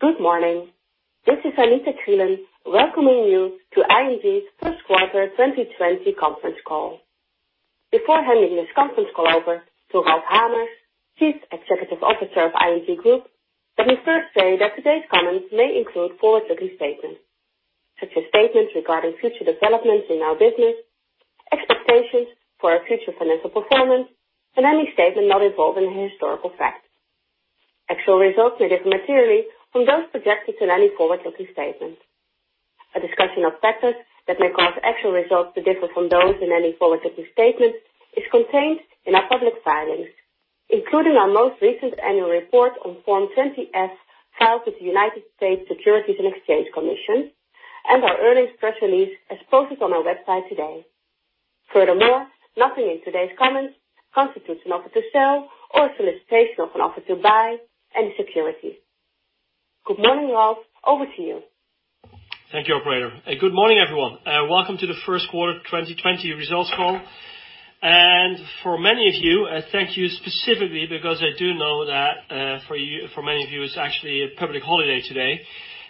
Good morning. This is Anita Ogulin welcoming you to ING's First Quarter 2020 Conference Call. Before handing this conference call over to Ralph Hamers, Chief Executive Officer of ING Groep, let me first say that today's comments may include forward-looking statements. Such as statements regarding future developments in our business, expectations for our future financial performance, and any statement not involved in a historical fact. Actual results may differ materially from those projected in any forward-looking statement. A discussion of factors that may cause actual results to differ from those in any forward-looking statement is contained in our public filings, including our most recent annual report on Form 20-F filed with the United States Securities and Exchange Commission, and our earnings press release as posted on our website today. Furthermore, nothing in today's comments constitutes an offer to sell or a solicitation of an offer to buy any securities. Good morning, Ralph. Over to you. Thank you, operator. Good morning, everyone. Welcome to the first quarter 2020 results call. For many of you, thank you specifically because I do know that for many of you it's actually a public holiday today.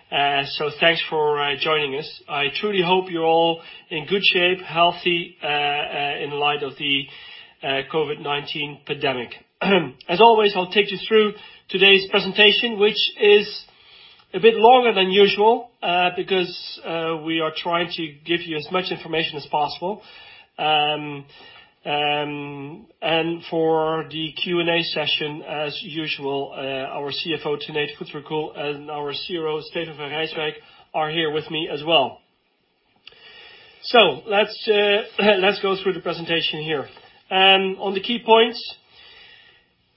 Thanks for joining us. I truly hope you're all in good shape, healthy, in light of the COVID-19 pandemic. As always, I'll take you through today's presentation, which is a bit longer than usual, because we are trying to give you as much information as possible. For the Q&A session, as usual, our CFO, Tanate Phutrakul, and our CRO, Steven van Rijswijk, are here with me as well. Let's go through the presentation here. On the key points,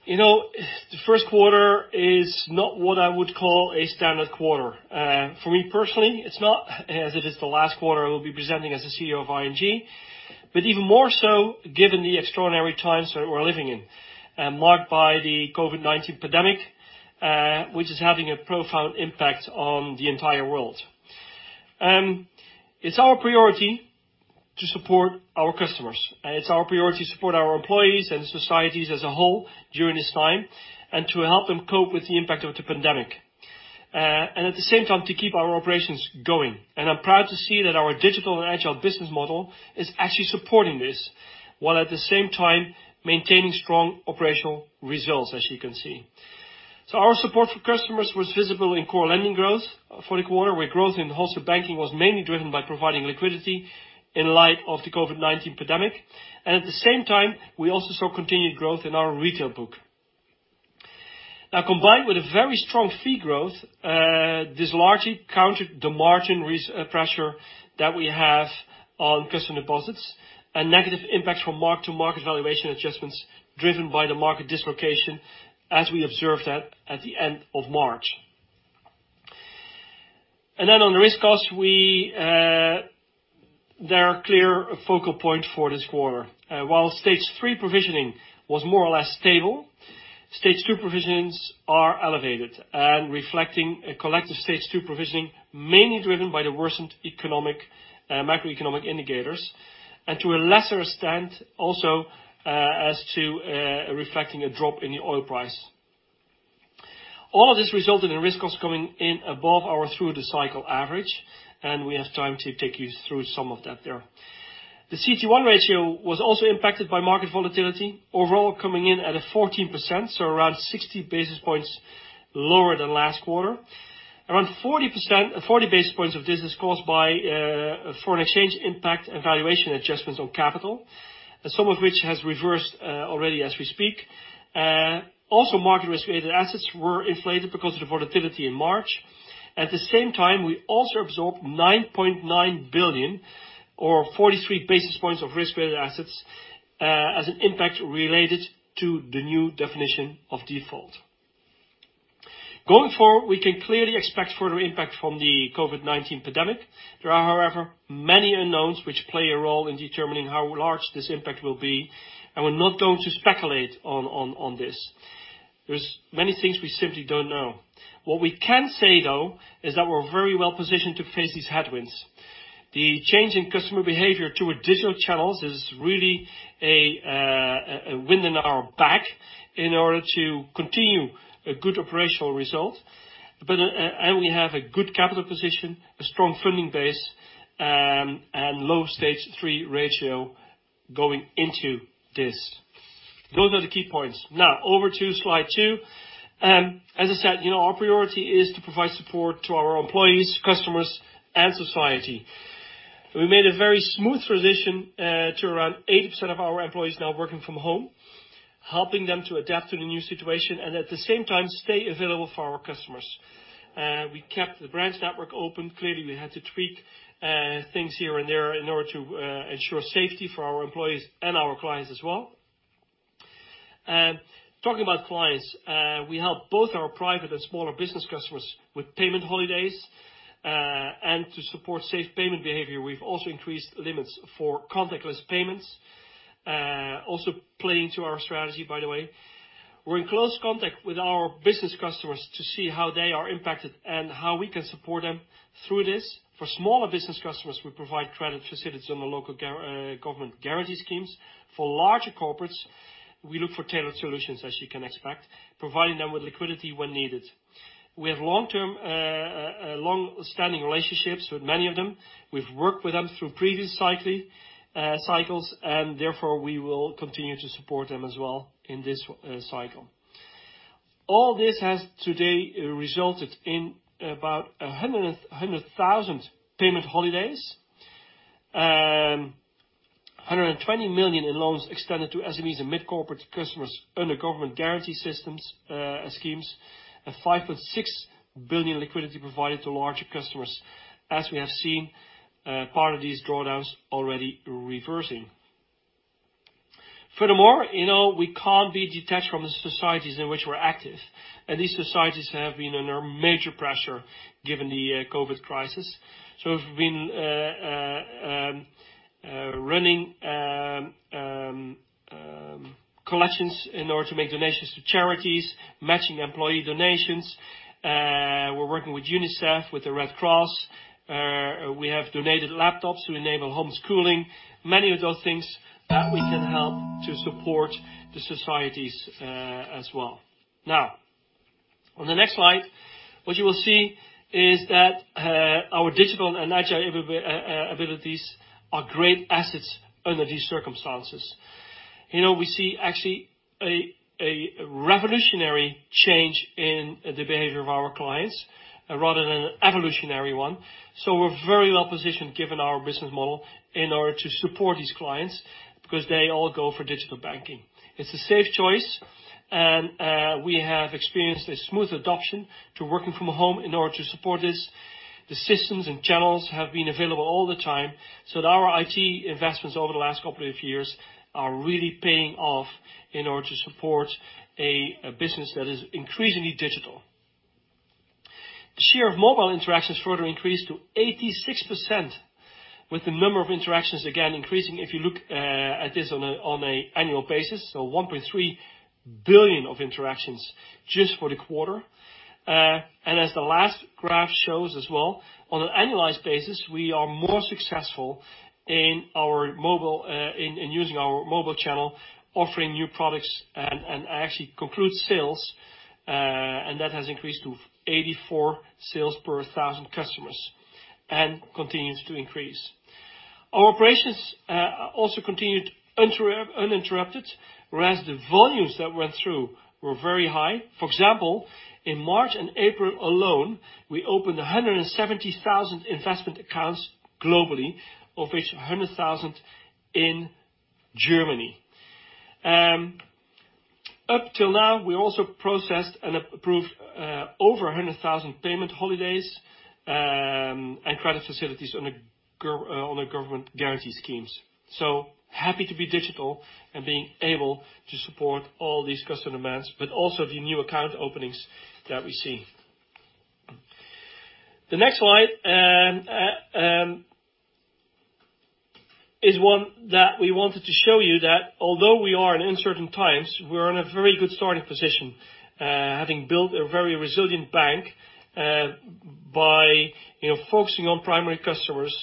the first quarter is not what I would call a standard quarter. For me personally, it's not as it is the last quarter I will be presenting as the CEO of ING, but even more so given the extraordinary times we're living in, marked by the COVID-19 pandemic, which is having a profound impact on the entire world. It's our priority to support our customers, and it's our priority to support our employees and societies as a whole during this time, and to help them cope with the impact of the pandemic. At the same time, to keep our operations going. I'm proud to see that our digital and agile business model is actually supporting this, while at the same time maintaining strong operational results, as you can see. Our support for customers was visible in core lending growth for the quarter, where growth in Wholesale Banking was mainly driven by providing liquidity in light of the COVID-19 pandemic. At the same time, we also saw continued growth in our retail book. Combined with a very strong fee growth, this largely countered the margin pressure that we have on customer deposits and negative impacts from mark-to-market valuation adjustments driven by the market dislocation as we observed that at the end of March. On the risk costs, they're a clear focal point for this quarter. While stage three provisioning was more or less stable, stage two provisions are elevated and reflecting a collective stage two provisioning mainly driven by the worsened macroeconomic indicators, and to a lesser extent also as to reflecting a drop in the oil price. This resulted in risk costs coming in above our through-the-cycle average. We have time to take you through some of that there. The CET1 ratio was also impacted by market volatility, overall coming in at a 14%, so around 60 basis points lower than last quarter. Around 40 basis points of this is caused by a foreign exchange impact and valuation adjustments on capital, some of which has reversed already as we speak. Market risk-weighted assets were inflated because of the volatility in March. At the same time, we also absorbed 9.9 billion, or 43 basis points of risk-weighted assets, as an impact related to the new Definition of Default. Going forward, we can clearly expect further impact from the COVID-19 pandemic. There are, however, many unknowns which play a role in determining how large this impact will be. We're not going to speculate on this. There's many things we simply don't know. What we can say, though, is that we're very well positioned to face these headwinds. The change in customer behavior to our digital channels is really a wind in our back in order to continue a good operational result. We have a good capital position, a strong funding base, and low stage three ratio going into this. Those are the key points. Now, over to slide two. As I said, our priority is to provide support to our employees, customers, and society. We made a very smooth transition to around 80% of our employees now working from home, helping them to adapt to the new situation and at the same time stay available for our customers. We kept the branch network open. Clearly, we had to tweak things here and there in order to ensure safety for our employees and our clients as well. Talking about clients, we help both our private and smaller business customers with payment holidays, and to support safe payment behavior, we've also increased limits for contactless payments. Also playing to our strategy, by the way. We're in close contact with our business customers to see how they are impacted and how we can support them through this. For smaller business customers, we provide credit facilities on the local government guarantee schemes. For larger corporates, we look for tailored solutions, as you can expect, providing them with liquidity when needed. We have long-standing relationships with many of them. We've worked with them through previous cycles, and therefore, we will continue to support them as well in this cycle. All this has today resulted in about 100,000 payment holidays, 120 million in loans extended to SMEs and mid-corporate customers under government guarantee schemes, and 5.6 billion liquidity provided to larger customers. As we have seen, part of these drawdowns already reversing. We can't be detached from the societies in which we're active, and these societies have been under major pressure given the COVID crisis. We've been running collections in order to make donations to charities, matching employee donations. We're working with UNICEF, with the Red Cross. We have donated laptops to enable homeschooling, many of those things that we can help to support the societies as well. On the next slide, what you will see is that our digital and agile abilities are great assets under these circumstances. We see actually a revolutionary change in the behavior of our clients rather than an evolutionary one. We're very well-positioned given our business model in order to support these clients because they all go for digital banking. It's a safe choice, and we have experienced a smooth adoption to working from home in order to support this. The systems and channels have been available all the time, so our IT investments over the last couple of years are really paying off in order to support a business that is increasingly digital. The share of mobile interactions further increased to 86%, with the number of interactions, again, increasing if you look at this on a annual basis. 1.3 billion of interactions just for the quarter. As the last graph shows as well, on an annualized basis, we are more successful in using our mobile channel, offering new products, and actually conclude sales, and that has increased to 84 sales per 1,000 customers and continues to increase. Our operations also continued uninterrupted, whereas the volumes that went through were very high. For example, in March and April alone, we opened 170,000 investment accounts globally, of which 100,000 in Germany. Up till now, we also processed and approved over 100,000 payment holidays and credit facilities under government guarantee schemes. Happy to be digital and being able to support all these customer demands but also the new account openings that we see. The next slide is one that we wanted to show you that although we are in uncertain times, we're in a very good starting position, having built a very resilient bank by focusing on primary customers,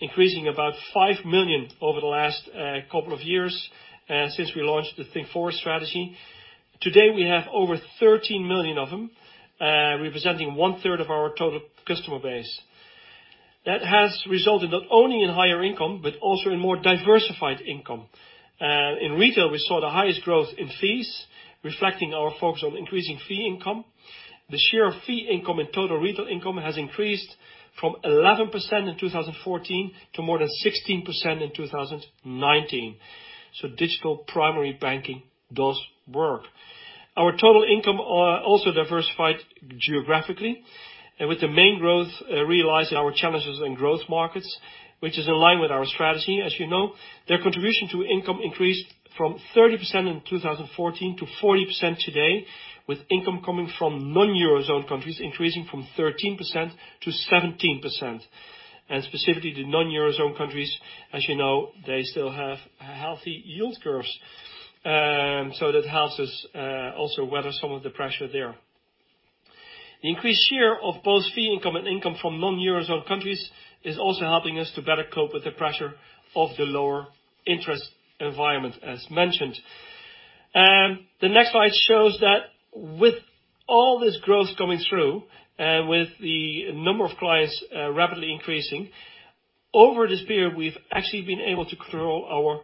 increasing about 5 million over the last couple of years since we launched the Think Forward strategy. Today, we have over 13 million of them, representing 1/3 of our total customer base. That has resulted not only in higher income, but also in more diversified income. In retail, we saw the highest growth in fees, reflecting our focus on increasing fee income. The share of fee income in total retail income has increased from 11% in 2014 to more than 16% in 2019. Digital primary banking does work. Our total income also diversified geographically, with the main growth realized in our Challenger and Growth markets, which is in line with our strategy as you know. Their contribution to income increased from 30% in 2014 to 40% today, with income coming from non-Eurozone countries increasing from 13%-17%. Specifically the non-Eurozone countries, as you know, they still have healthy yield curves. That helps us also weather some of the pressure there. The increased share of both fee income and income from non-Eurozone countries is also helping us to better cope with the pressure of the lower interest environment as mentioned. The next slide shows that with all this growth coming through, with the number of clients rapidly increasing, over this period, we've actually been able to control our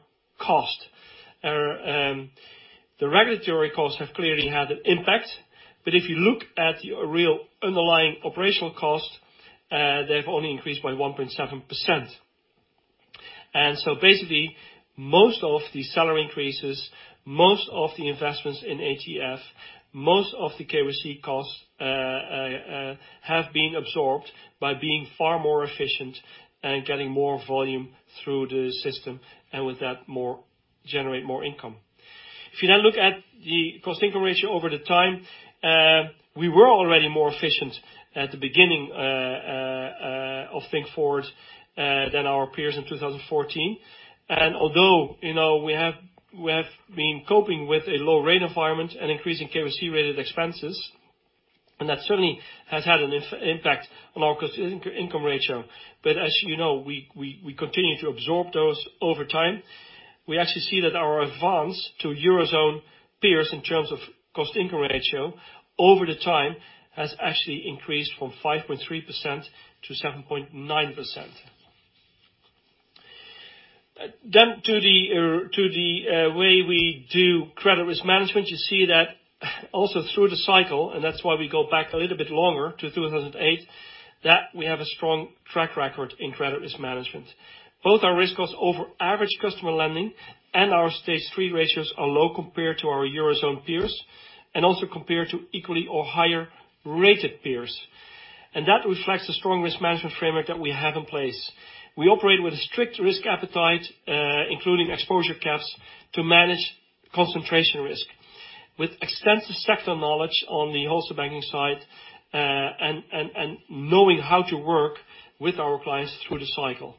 costs. The regulatory costs have clearly had an impact, if you look at your real underlying operational costs, they've only increased by 1.7%. Basically, most of the salary increases, most of the investments in ATF, most of the KYC costs have been absorbed by being far more efficient and getting more volume through the system, and with that, generate more income. If you now look at the cost-income ratio over the time, we were already more efficient at the beginning of Think Forward than our peers in 2014. Although we have been coping with a low rate environment and increasing KYC-related expenses, and that certainly has had an impact on our income ratio. As you know, we continue to absorb those over time. We actually see that our advance to eurozone peers in terms of cost income ratio over the time has actually increased from 5.3%-7.9%. To the way we do credit risk management, you see that also through the cycle, and that's why we go back a little bit longer to 2008, that we have a strong track record in credit risk management. Both our risk costs over average customer lending and our stage three ratios are low compared to our eurozone peers, and also compared to equally or higher-rated peers. That reflects the strong risk management framework that we have in place. We operate with a strict risk appetite, including exposure caps, to manage concentration risk with extensive sector knowledge on the Wholesale Banking side, and knowing how to work with our clients through the cycle.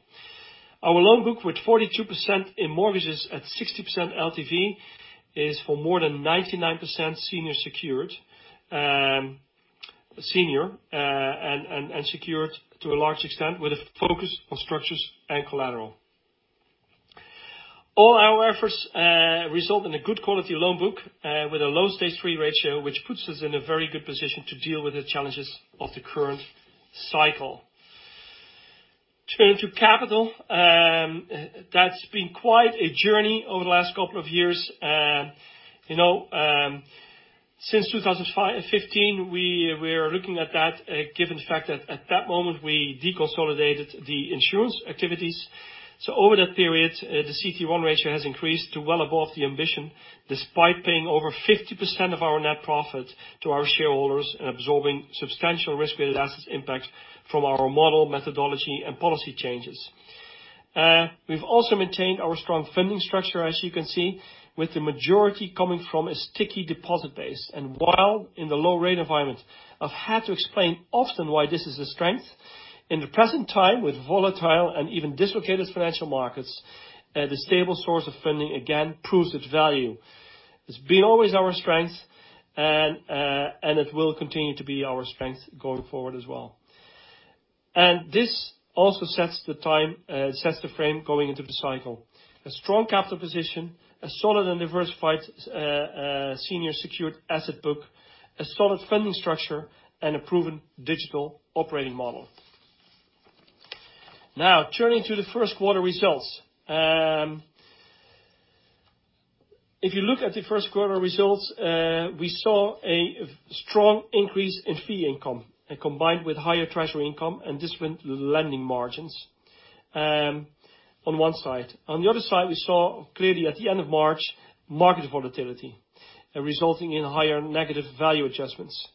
Our loan book, with 42% in mortgages at 60% LTV, is for more than 99% senior secured, senior, and secured to a large extent with a focus on structures and collateral. All our efforts result in a good quality loan book with a low stage three ratio, which puts us in a very good position to deal with the challenges of the current cycle. Turning to capital, that's been quite a journey over the last couple of years. Since 2015, we are looking at that, given the fact that at that moment we deconsolidated the insurance activities. Over that period, the CET1 ratio has increased to well above the ambition, despite paying over 50% of our net profit to our shareholders and absorbing substantial risk-weighted assets impact from our model methodology and policy changes. We've also maintained our strong funding structure, as you can see, with the majority coming from a sticky deposit base. While in the low-rate environment, I've had to explain often why this is a strength. In the present time, with volatile and even dislocated financial markets, the stable source of funding again proves its value. It's been always our strength and it will continue to be our strength going forward as well. This also sets the frame going into the cycle. A strong capital position, a solid and diversified senior secured asset book, a solid funding structure, and a proven digital operating model. Now, turning to the first quarter results. If you look at the first quarter results, we saw a strong increase in fee income combined with higher treasury income and disciplined lending margins on one side. On the other side, we saw clearly at the end of March, market volatility resulting in higher negative value adjustments.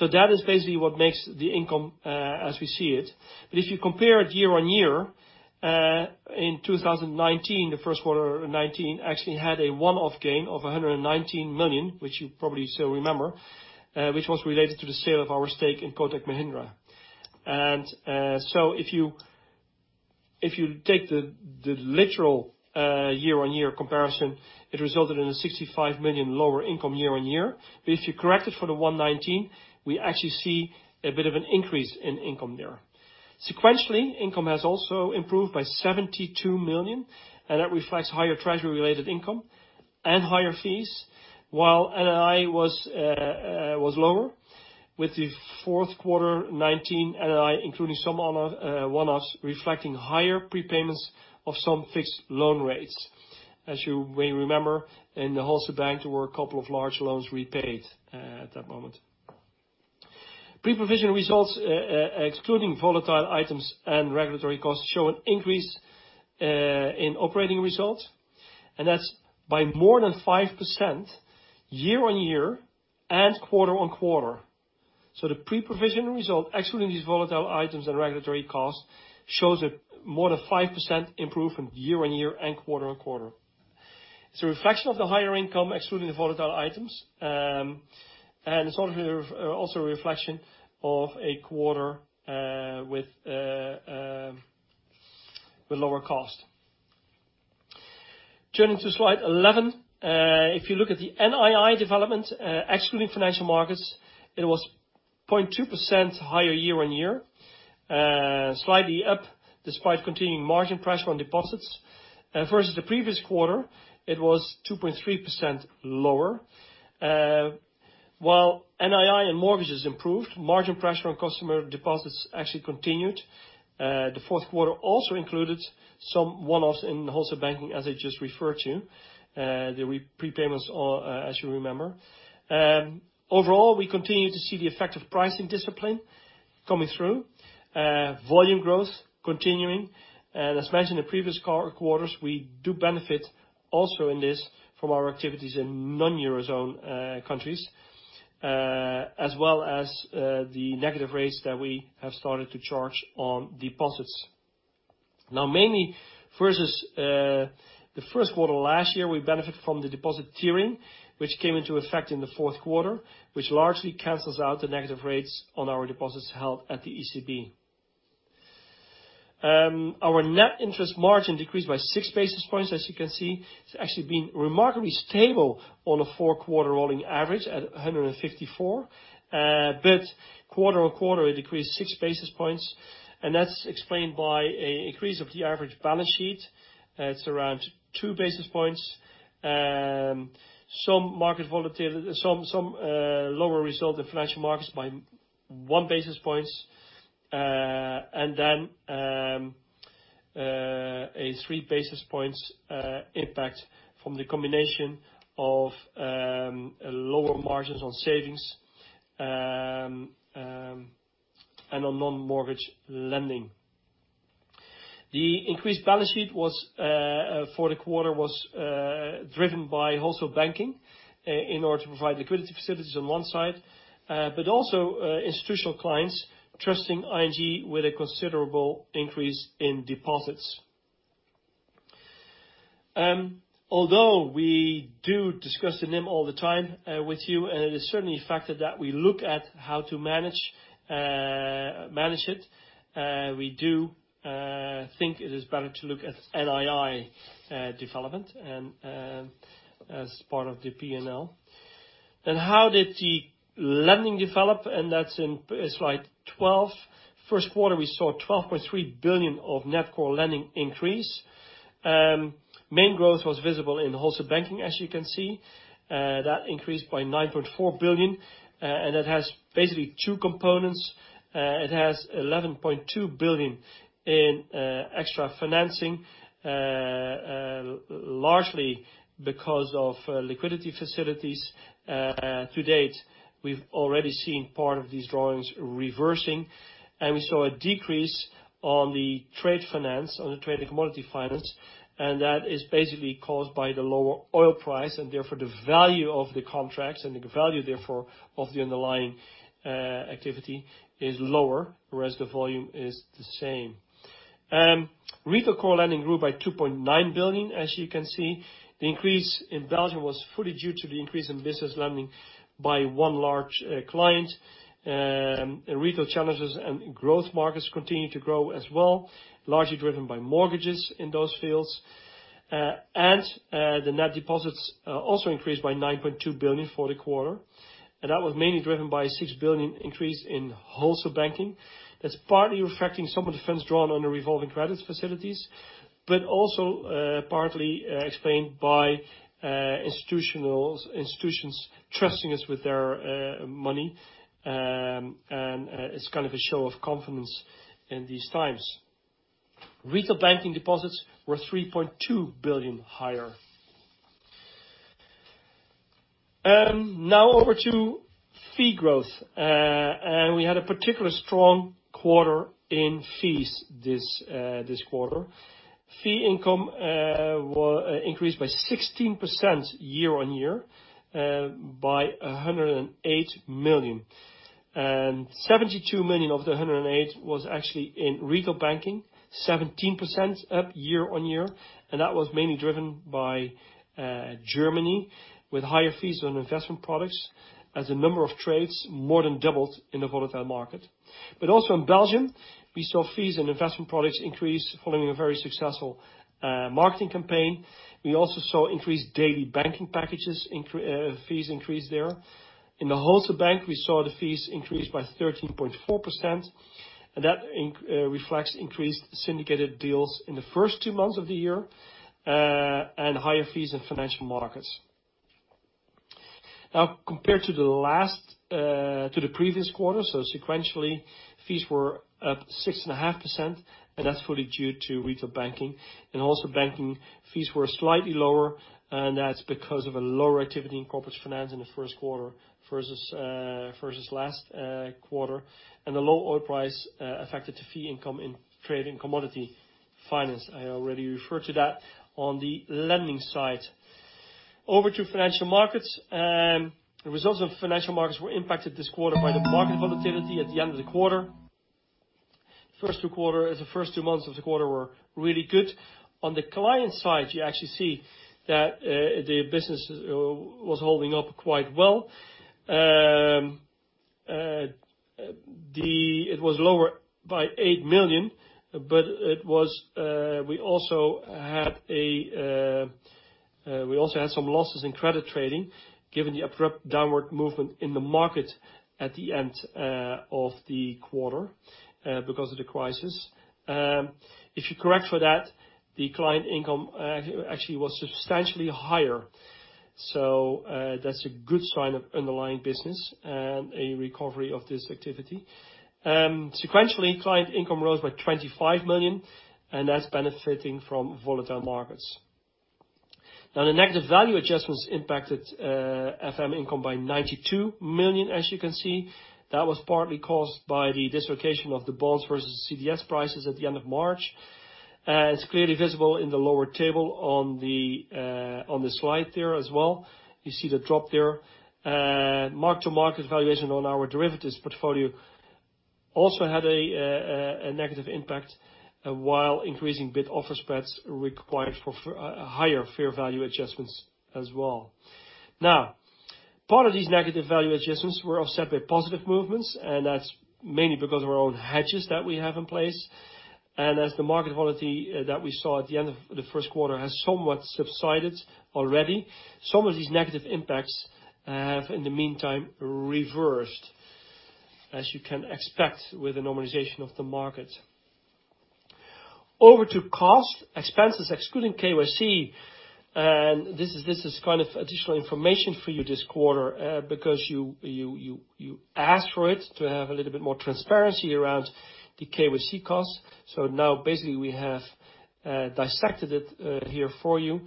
That is basically what makes the income as we see it. If you compare it year-on-year, in 2019, the first quarter of 2019 actually had a one-off gain of 119 million, which you probably still remember, which was related to the sale of our stake in Kotak Mahindra. If you take the literal year-on-year comparison, it resulted in a 65 million lower income year-on-year. If you correct it for the 119 million, we actually see a bit of an increase in income there. Sequentially, income has also improved by 72 million, and that reflects higher treasury-related income and higher fees, while NII was lower, with the fourth quarter 2019 NII, including some one-offs reflecting higher prepayments of some fixed loan rates. As you may remember, in the Wholesale Bank, there were a couple of large loans repaid at that moment. Pre-provision results, excluding volatile items and regulatory costs, show an increase in operating results, and that's by more than 5% year-on-year and quarter-on-quarter. The pre-provision result, excluding these volatile items and regulatory costs, shows a more than 5% improvement year-on-year and quarter-on-quarter. It's a reflection of the higher income excluding the volatile items, and it's also a reflection of a quarter with lower cost. Turning to slide 11. If you look at the NII development, excluding financial markets, it was 0.2% higher year-on-year, slightly up despite continuing margin pressure on deposits. Versus the previous quarter, it was 2.3% lower. While NII and mortgages improved, margin pressure on customer deposits actually continued. The fourth quarter also included some one-offs in Wholesale Banking, as I just referred to, the prepayments, as you remember. Overall, we continue to see the effect of pricing discipline coming through, volume growth continuing. As mentioned in previous quarters, we do benefit also in this from our activities in non-Eurozone countries, as well as the negative rates that we have started to charge on deposits. Now mainly versus the first quarter last year, we benefit from the deposit tiering, which came into effect in the fourth quarter, which largely cancels out the negative rates on our deposits held at the ECB. Our net interest margin decreased by 6 basis points, as you can see. It's actually been remarkably stable on a four-quarter rolling average at 154. Quarter on quarter, it decreased 6 basis points, and that's explained by an increase of the average balance sheet. It's around 2 basis points. Some lower result in financial markets by 1 basis point. Then a 3 basis points impact from the combination of lower margins on savings and on non-mortgage lending. The increased balance sheet for the quarter was driven by Wholesale Banking in order to provide liquidity facilities on one side, but also institutional clients trusting ING with a considerable increase in deposits. Although we do discuss the NIM all the time with you, and it is certainly a factor that we look at how to manage it, we do think it is better to look at NII development and as part of the P&L. How did the lending develop? That's in slide 12. First quarter, we saw 12.3 billion of net core lending increase. Main growth was visible in Wholesale Banking, as you can see. That increased by 9.4 billion, and that has basically two components. It has 11.2 billion in extra financing, largely because of liquidity facilities. To date, we've already seen part of these drawings reversing, and we saw a decrease on the trade finance, on the Trade and Commodity Finance, and that is basically caused by the lower oil price and therefore the value of the contracts and the value therefore of the underlying activity is lower, whereas the volume is the same. Retail core lending grew by 2.9 billion, as you can see. The increase in Belgium was fully due to the increase in business lending by one large client. Retail Challenger and Growth Markets continued to grow as well, largely driven by mortgages in those fields. The net deposits also increased by 9.2 billion for the quarter. That was mainly driven by a 6 billion increase in Wholesale Banking. That's partly reflecting some of the funds drawn on the revolving credit facilities, but also partly explained by institutions trusting us with their money. It's kind of a show of confidence in these times. Retail banking deposits were 3.2 billion higher. Now over to fee growth. We had a particular strong quarter in fees this quarter. Fee income increased by 16% year-on-year, by 108 million. 72 million of the 108 million was actually in Retail Banking, 17% up year-on-year, and that was mainly driven by Germany with higher fees on investment products as the number of trades more than doubled in a volatile market. Also in Belgium, we saw fees and investment products increase following a very successful marketing campaign. We also saw increased daily banking packages fees increase there. In the Wholesale Bank, we saw the fees increase by 13.4%, and that reflects increased syndicated deals in the first two months of the year, and higher fees in Financial Markets. Compared to the previous quarter, so sequentially, fees were up 6.5%, and that's fully due to Retail Banking. In Wholesale Banking, fees were slightly lower, and that's because of a lower activity in Corporate Finance in the first quarter versus last quarter. The low oil price affected the fee income in Trade and Commodity Finance. I already referred to that on the lending side. Over to Financial Markets. The results of Financial Markets were impacted this quarter by the market volatility at the end of the quarter. The first two months of the quarter were really good. On the client side, you actually see that the business was holding up quite well. It was lower by 8 million. We also had some losses in credit trading given the abrupt downward movement in the market at the end of the quarter because of the crisis. If you correct for that, the client income actually was substantially higher. That's a good sign of underlying business and a recovery of this activity. Sequentially, client income rose by 25 million. That's benefiting from volatile markets. The negative value adjustments impacted FM income by 92 million as you can see. That was partly caused by the dislocation of the bonds versus CDS prices at the end of March. It's clearly visible in the lower table on the slide there as well. You see the drop there. Mark-to-market valuation on our derivatives portfolio also had a negative impact, while increasing bid-offer spreads required for higher fair value adjustments as well. Part of these negative value adjustments were offset by positive movements. That's mainly because of our own hedges that we have in place. As the market volatility that we saw at the end of the first quarter has somewhat subsided already, some of these negative impacts have, in the meantime, reversed, as you can expect with a normalization of the market. Over to cost expenses, excluding KYC. This is additional information for you this quarter, because you asked for it to have a little bit more transparency around the KYC costs. Basically we have dissected it here for you.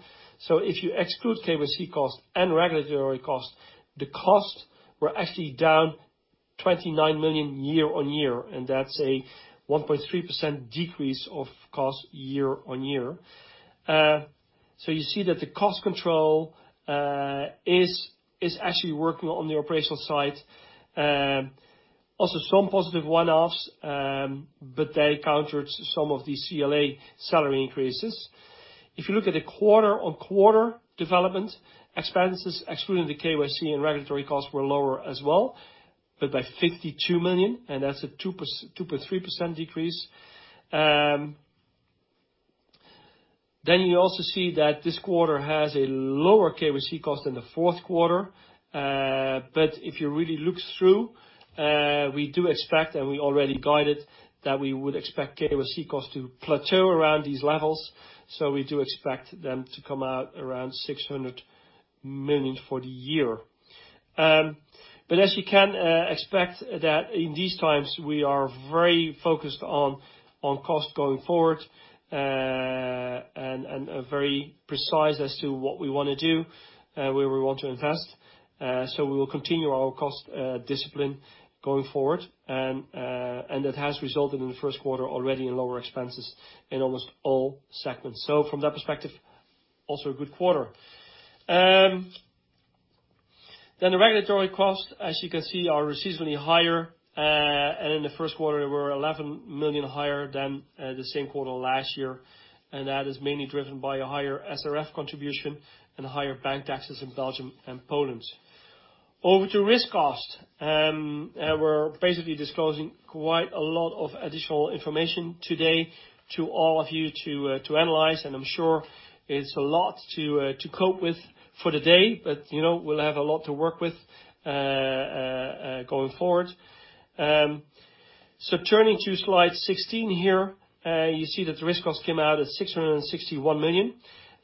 If you exclude KYC costs and regulatory costs, the costs were actually down 29 million year-on-year. That's a 1.3% decrease of cost year-on-year. You see that the cost control is actually working on the operational side. Also some positive one-offs, they countered some of the CLA salary increases. If you look at the quarter-on-quarter development, expenses excluding the KYC and regulatory costs were lower as well, but by 52 million, and that's a 2.3% decrease. You also see that this quarter has a lower KYC cost than the fourth quarter. If you really look through, we do expect, and we already guided that we would expect KYC costs to plateau around these levels. We do expect them to come out around 600 million for the year. As you can expect that in these times, we are very focused on cost going forward, and are very precise as to what we want to do, where we want to invest. We will continue our cost discipline going forward. That has resulted in the first quarter already in lower expenses in almost all segments. From that perspective, also a good quarter. The regulatory costs, as you can see, are seasonally higher. In the first quarter, they were 11 million higher than the same quarter last year, and that is mainly driven by a higher SRF contribution and higher bank taxes in Belgium and Poland. Over to risk cost. We're basically disclosing quite a lot of additional information today to all of you to analyze, and I'm sure it's a lot to cope with for the day, but we'll have a lot to work with going forward. Turning to slide 16 here, you see that the risk cost came out at 661 million.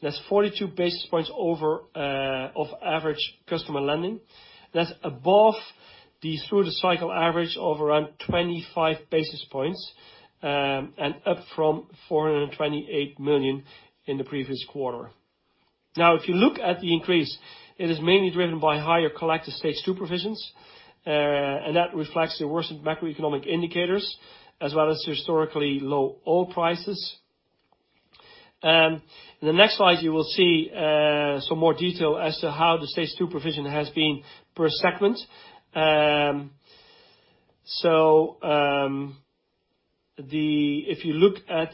That's 42 basis points over of average customer lending. That's above the through-the-cycle average of around 25 basis points, up from 428 million in the previous quarter. If you look at the increase, it is mainly driven by higher collective stage two provisions, that reflects the worsened macroeconomic indicators, as well as historically low oil prices. In the next slide, you will see some more detail as to how the stage two provision has been per segment. If you look at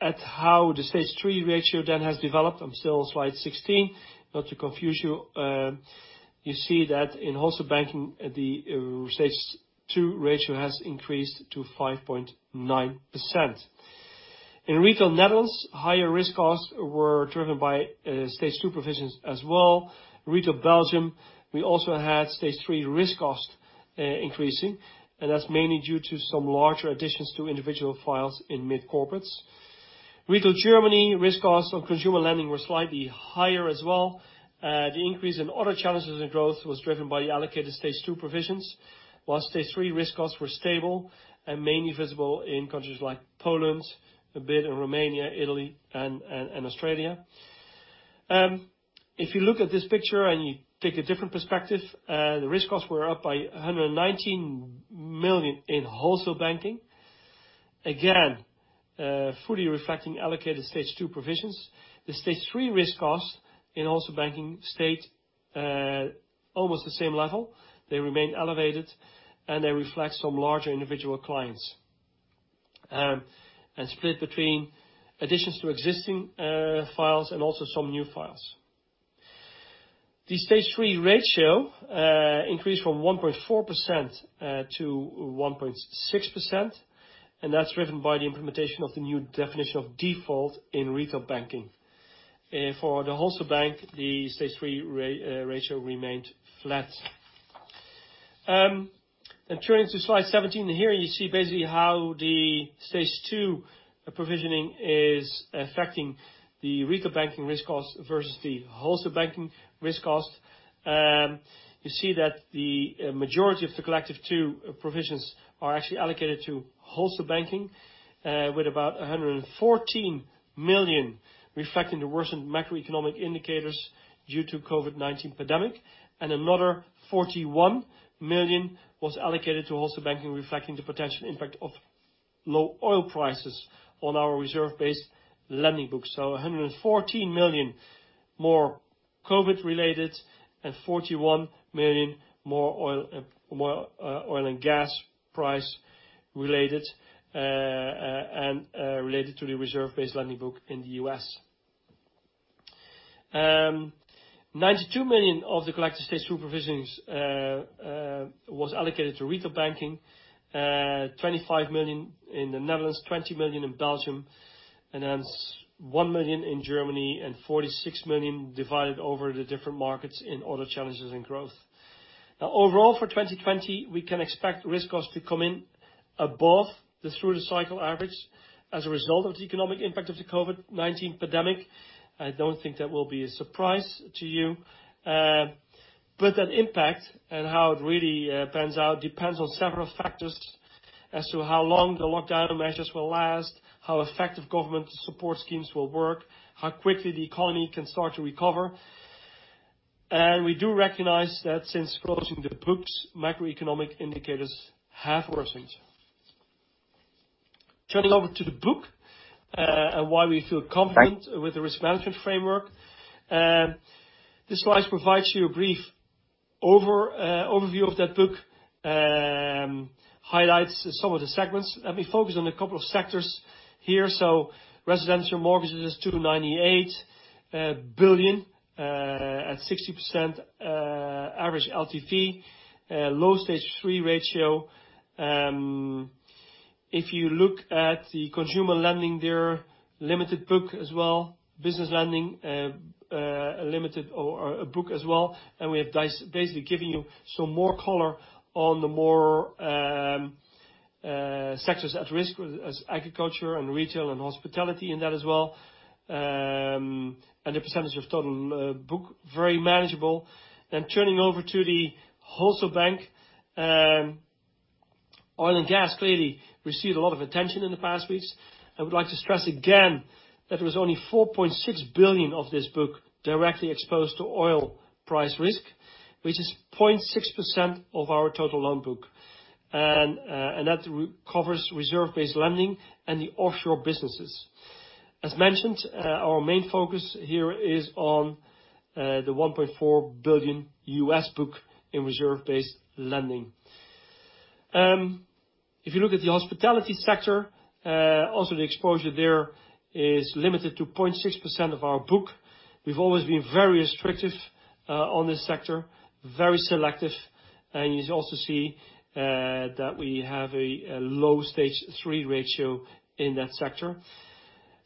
how the stage three ratio then has developed, I'm still on slide 16, not to confuse you. You see that in Wholesale Banking, the stage two ratio has increased to 5.9%. In Retail Netherlands, higher risk costs were driven by stage two provisions as well. Retail Belgium, we also had stage three risk cost increasing, that's mainly due to some larger additions to individual files in mid-corporates. Retail Germany risk costs on consumer lending were slightly higher as well. The increase in other Challenger and Growth was driven by the allocated stage two provisions. While stage three risk costs were stable and mainly visible in countries like Poland, a bit in Romania, Italy, and Australia. If you look at this picture and you take a different perspective, the risk costs were up by 119 million in Wholesale Banking. Again, fully reflecting allocated stage two provisions. The stage three risk cost in Wholesale Banking stayed almost the same level. They remain elevated, and they reflect some larger individual clients, and split between additions to existing files and also some new files. The stage three ratio increased from 1.4%-1.6%, and that's driven by the implementation of the new Definition of Default in Retail Banking. For the Wholesale Bank, the stage three ratio remained flat. Turning to slide 17, here you see basically how the stage two provisioning is affecting the Retail Banking risk cost versus the Wholesale Banking risk cost. You see that the majority of the collective two provisions are actually allocated to Wholesale Banking, with about 114 million reflecting the worsened macroeconomic indicators due to COVID-19 pandemic. Another 41 million was allocated to Wholesale Banking, reflecting the potential impact of low oil prices on our reserve-based lending books. 114 million more COVID-related and 41 million more oil and gas price-related, and related to the reserve-based lending book in the U.S. EUR 92 million of the collective stage two provisions was allocated to Retail Banking, 25 million in the Netherlands, 20 million in Belgium, 1 million in Germany, and 46 million divided over the different markets in other Challenger and Growth. Now overall for 2020, we can expect risk costs to come in above the through-the-cycle average as a result of the economic impact of the COVID-19 pandemic. I don't think that will be a surprise to you. That impact and how it really pans out depends on several factors as to how long the lockdown measures will last, how effective government support schemes will work, how quickly the economy can start to recover. We do recognize that since closing the books, macroeconomic indicators have worsened. Turning over to the book, and why we feel confident with the risk management framework. This slide provides you a brief overview of that book, highlights some of the segments. Let me focus on a couple of sectors here. Residential mortgages, 298 billion, at 60% average LTV, low stage three ratio. If you look at the consumer lending there, limited book as well. Business lending, limited book as well. We have basically giving you some more color on the more sectors at risk, as agriculture and retail and hospitality in that as well. The percentage of total book, very manageable. Turning over to the Wholesale Bank. Oil and gas clearly received a lot of attention in the past weeks. I would like to stress again that there was only 4.6 billion of this book directly exposed to oil price risk, which is 0.6% of our total loan book. That covers reserve-based lending and the offshore businesses. As mentioned, our main focus here is on the 1.4 billion U.S. book in reserve-based lending. If you look at the hospitality sector, also the exposure there is limited to 0.6% of our book. We've always been very restrictive on this sector, very selective, and you also see that we have a low stage three ratio in that sector.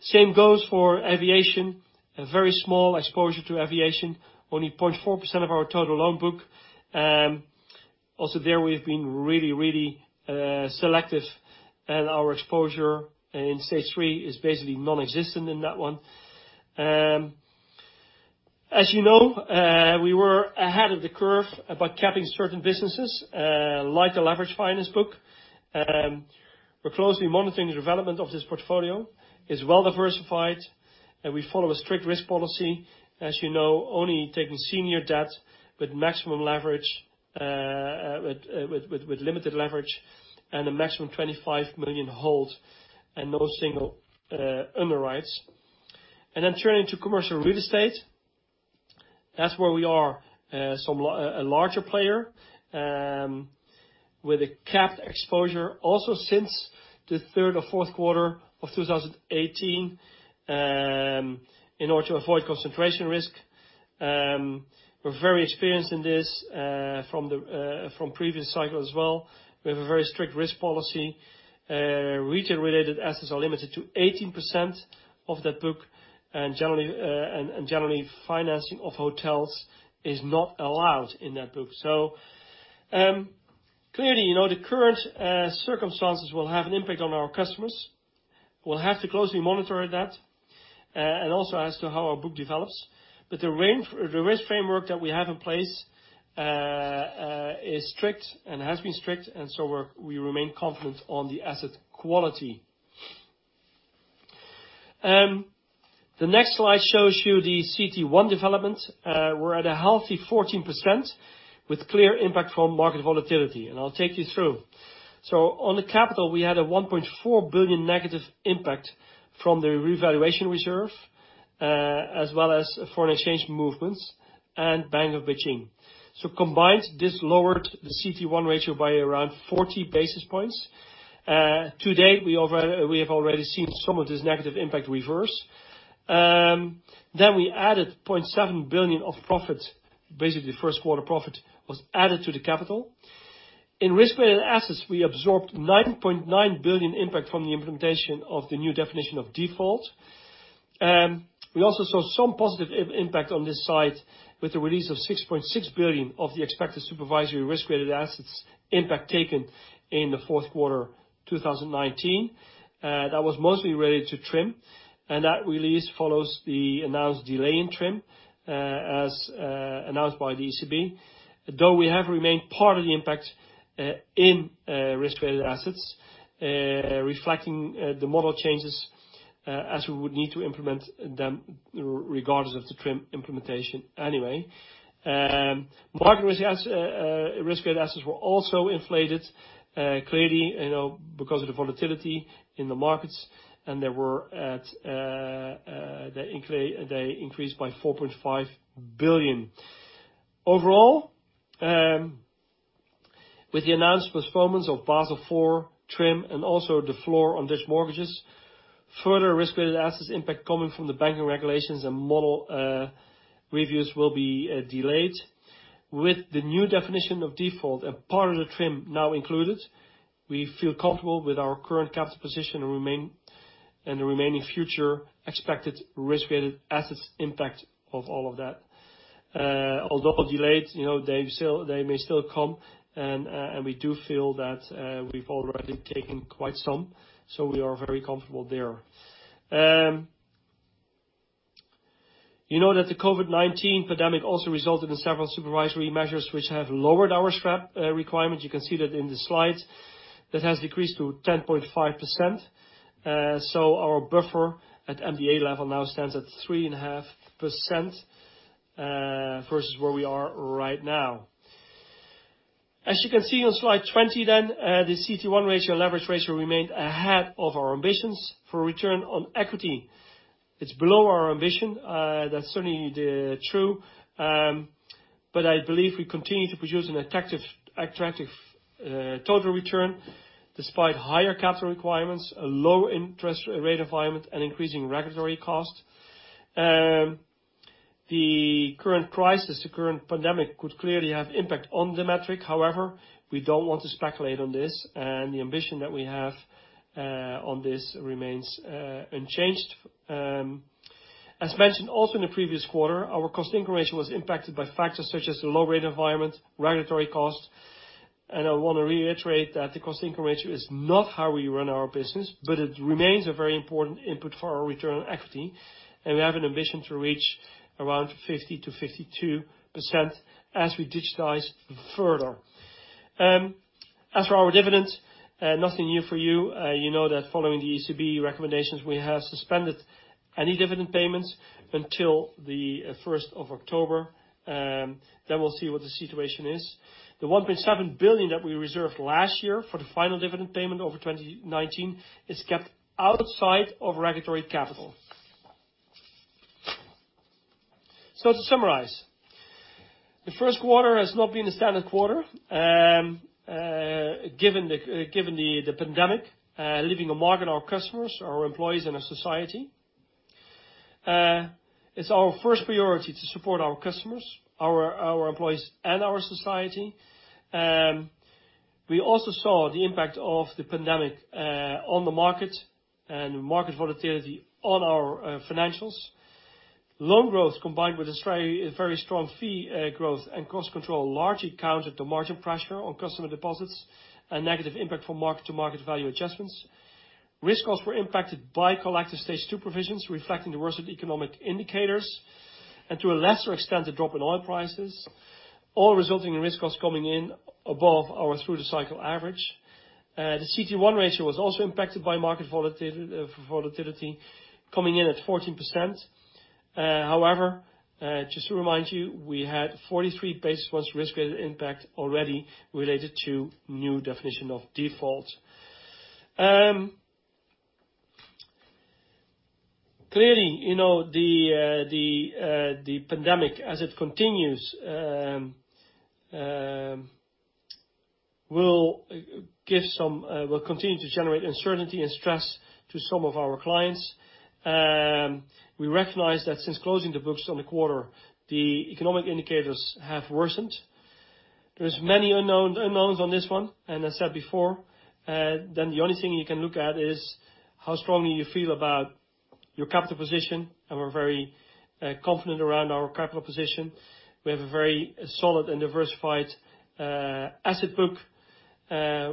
Same goes for aviation, a very small exposure to aviation, only 0.4% of our total loan book. Also there, we've been really selective and our exposure in stage three is basically nonexistent in that one. As you know, we were ahead of the curve about capping certain businesses, like the leveraged finance book. We're closely monitoring the development of this portfolio. It's well diversified, and we follow a strict risk policy, as you know, only taking senior debt with limited leverage, and a maximum 25 million hold, and no single underwrites. Turning to commercial real estate. That's where we are a larger player, with a capped exposure also since the third quarter or fourth quarter of 2018, in order to avoid concentration risk. We're very experienced in this, from previous cycles as well. We have a very strict risk policy. Retail-related assets are limited to 18% of that book, and generally financing of hotels is not allowed in that book. Clearly, the current circumstances will have an impact on our customers. We'll have to closely monitor that, and also as to how our book develops. The risk framework that we have in place is strict and has been strict. We remain confident on the asset quality. The next slide shows you the CET1 development. We're at a healthy 14% with clear impact from market volatility, and I'll take you through. On the capital, we had a 1.4 billion negative impact from the revaluation reserve, as well as foreign exchange movements and Bank of Beijing. Combined, this lowered the CET1 ratio by around 40 basis points. To date, we have already seen some of this negative impact reverse. We added 0.7 billion of profits. Basically, the first quarter profit was added to the capital. In risk-weighted assets, we absorbed 9.9 billion impact from the implementation of the new Definition of Default. We also saw some positive impact on this side with the release of 6.6 billion of the expected supervisory risk-weighted assets impact taken in the fourth quarter 2019. That was mostly related to TRIM, and that release follows the announced delay in TRIM, as announced by the ECB. We have remained part of the impact in risk-weighted assets, reflecting the model changes as we would need to implement them regardless of the TRIM implementation anyway. Market risk-weighted assets were also inflated, clearly, because of the volatility in the markets, and they increased by 4.5 billion. Overall, with the announced performance of Basel IV, TRIM, and also the floor on Dutch mortgages, further risk-weighted assets impact coming from the banking regulations and model reviews will be delayed. With the new Definition of Default and part of the TRIM now included, we feel comfortable with our current capital position and the remaining future expected risk-weighted assets impact of all of that. Although delayed, they may still come, and we do feel that we've already taken quite some, so we are very comfortable there. You know that the COVID-19 pandemic also resulted in several supervisory measures, which have lowered our SREP requirement. You can see that in the slides. That has decreased to 10.5%. Our buffer at MDA level now stands at 3.5% versus where we are right now. As you can see on slide 20, the CET1 ratio and leverage ratio remained ahead of our ambitions. For return on equity, it's below our ambition. That's certainly true, I believe we continue to produce an attractive total return despite higher capital requirements, a low-interest-rate environment, and increasing regulatory costs. The current crisis, the current pandemic, could clearly have impact on the metric. However, we don't want to speculate on this, and the ambition that we have on this remains unchanged. As mentioned also in the previous quarter, our cost/income ratio was impacted by factors such as the low rate environment, regulatory costs, and I want to reiterate that the cost-income ratio is not how we run our business, but it remains a very important input for our return on equity, and we have an ambition to reach around 50%-52% as we digitize further. As for our dividend, nothing new for you. You know that following the ECB recommendations, we have suspended any dividend payments until the 1st of October. We'll see what the situation is. The 1.7 billion that we reserved last year for the final dividend payment over 2019 is kept outside of regulatory capital. To summarize, the first quarter has not been a standard quarter, given the pandemic, leaving a mark on our customers, our employees, and our society. It's our first priority to support our customers, our employees, and our society. We also saw the impact of the pandemic on the market and market volatility on our financials. Loan growth, combined with very strong fee growth and cost control, largely countered the margin pressure on customer deposits and negative impact from market-to-market value adjustments. Risk costs were impacted by collective stage two provisions reflecting the worsened economic indicators, and to a lesser extent, the drop in oil prices, all resulting in risk costs coming in above our through-the-cycle average. The CET1 ratio was also impacted by market volatility, coming in at 14%. Just to remind you, we had 43 basis points risk weighted impact already related to new Definition of Default. The pandemic, as it continues, will continue to generate uncertainty and stress to some of our clients. We recognize that since closing the books on the quarter, the economic indicators have worsened. There's many unknowns on this one, and I said before, then the only thing you can look at is how strongly you feel about your capital position, and we're very confident around our capital position. We have a very solid and diversified asset book.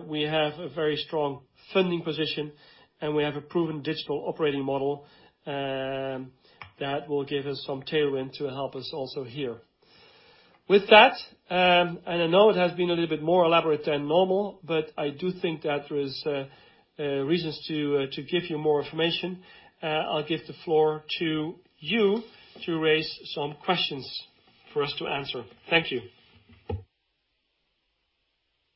We have a very strong funding position, and we have a proven digital operating model that will give us some tailwind to help us also here. With that, and I know it has been a little bit more elaborate than normal, but I do think that there is reasons to give you more information. I'll give the floor to you to raise some questions for us to answer. Thank you.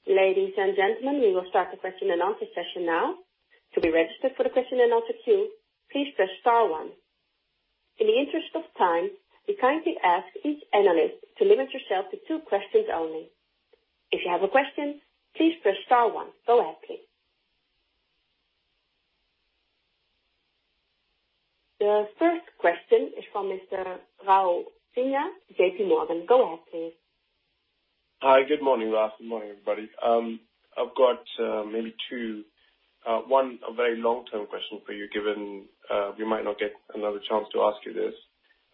Ladies and gentlemen, we will start the question and answer session now. To be registered for the question and answer queue, please press star one. In the interest of time, we kindly ask each analyst to limit yourself to two questions only. If you have a question, please press star one. Go ahead, please. The first question is from Mr. Raul Sinha, JPMorgan. Go ahead, please. Hi. Good morning, Ralph. Good morning, everybody. I've got maybe two. One, a very long-term question for you, given we might not get another chance to ask you this.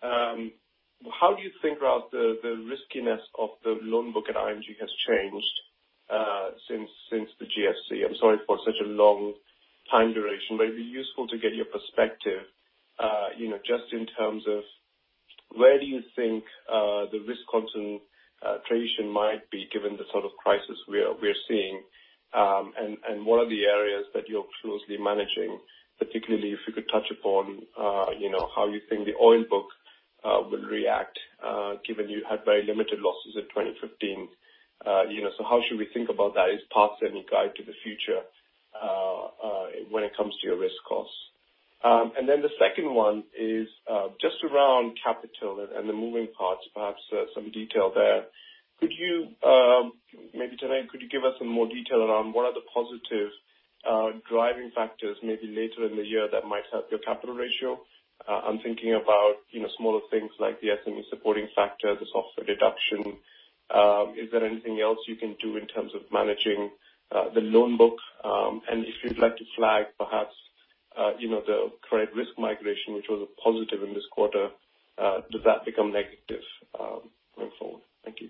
How do you think, Ralph, the riskiness of the loan book at ING has changed since the GFC? I'm sorry for such a long time duration, but it'd be useful to get your perspective. Just in terms of where do you think the risk concentration might be given the sort of crisis we're seeing, and what are the areas that you're closely managing, particularly if you could touch upon how you think the oil book will react, given you had very limited losses in 2015. How should we think about that? Is past any guide to the future, when it comes to your risk costs? The second one is just around capital and the moving parts, perhaps some detail there. Maybe, Tanate, could you give us some more detail around what are the positive driving factors, maybe later in the year that might help your capital ratio? I'm thinking about smaller things like the SME supporting factor, the software deduction. Is there anything else you can do in terms of managing the loan book? If you'd like to flag, perhaps, the credit risk migration, which was a positive in this quarter, does that become negative going forward? Thank you.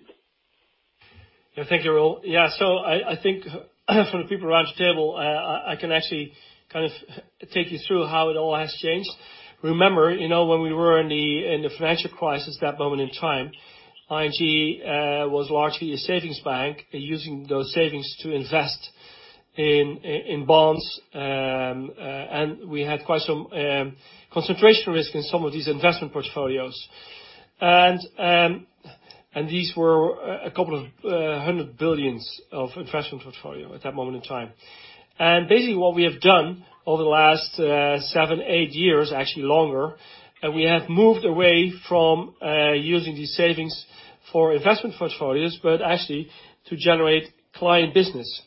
Thank you, Raul. I think for the people around the table, I can actually kind of take you through how it all has changed. Remember, when we were in the financial crisis, that moment in time, ING was largely a savings bank, using those savings to invest in bonds. We had quite some concentration risk in some of these investment portfolios. These were a couple of hundred billion of investment portfolio at that moment in time. Basically what we have done over the last seven years, eight years, actually longer, we have moved away from using these savings for investment portfolios, but actually to generate client business.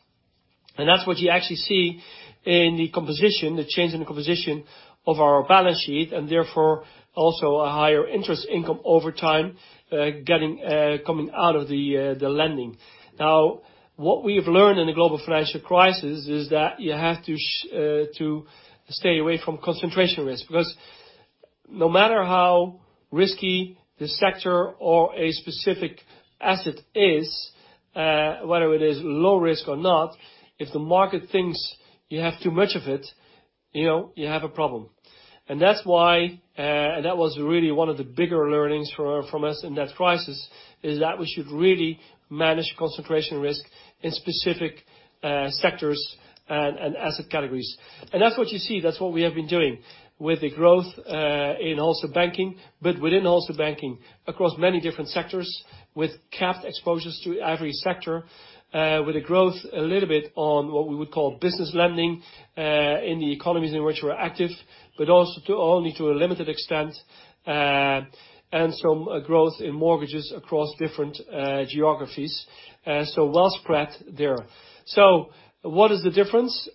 That's what you actually see in the composition, the change in the composition of our balance sheet, and therefore also a higher interest income over time, coming out of the lending. What we have learned in the global financial crisis is that you have to stay away from concentration risk, because no matter how risky the sector or a specific asset is, whether it is low risk or not, if the market thinks you have too much of it, you have a problem. That was really one of the bigger learnings from us in that crisis, is that we should really manage concentration risk in specific sectors and asset categories. That's what you see. That's what we have been doing with the growth in Wholesale Banking, but within Wholesale Banking across many different sectors with capped exposures to every sector, with a growth a little bit on what we would call business lending, in the economies in which we're active, but also only to a limited extent, and some growth in mortgages across different geographies. Well spread there. What is the difference?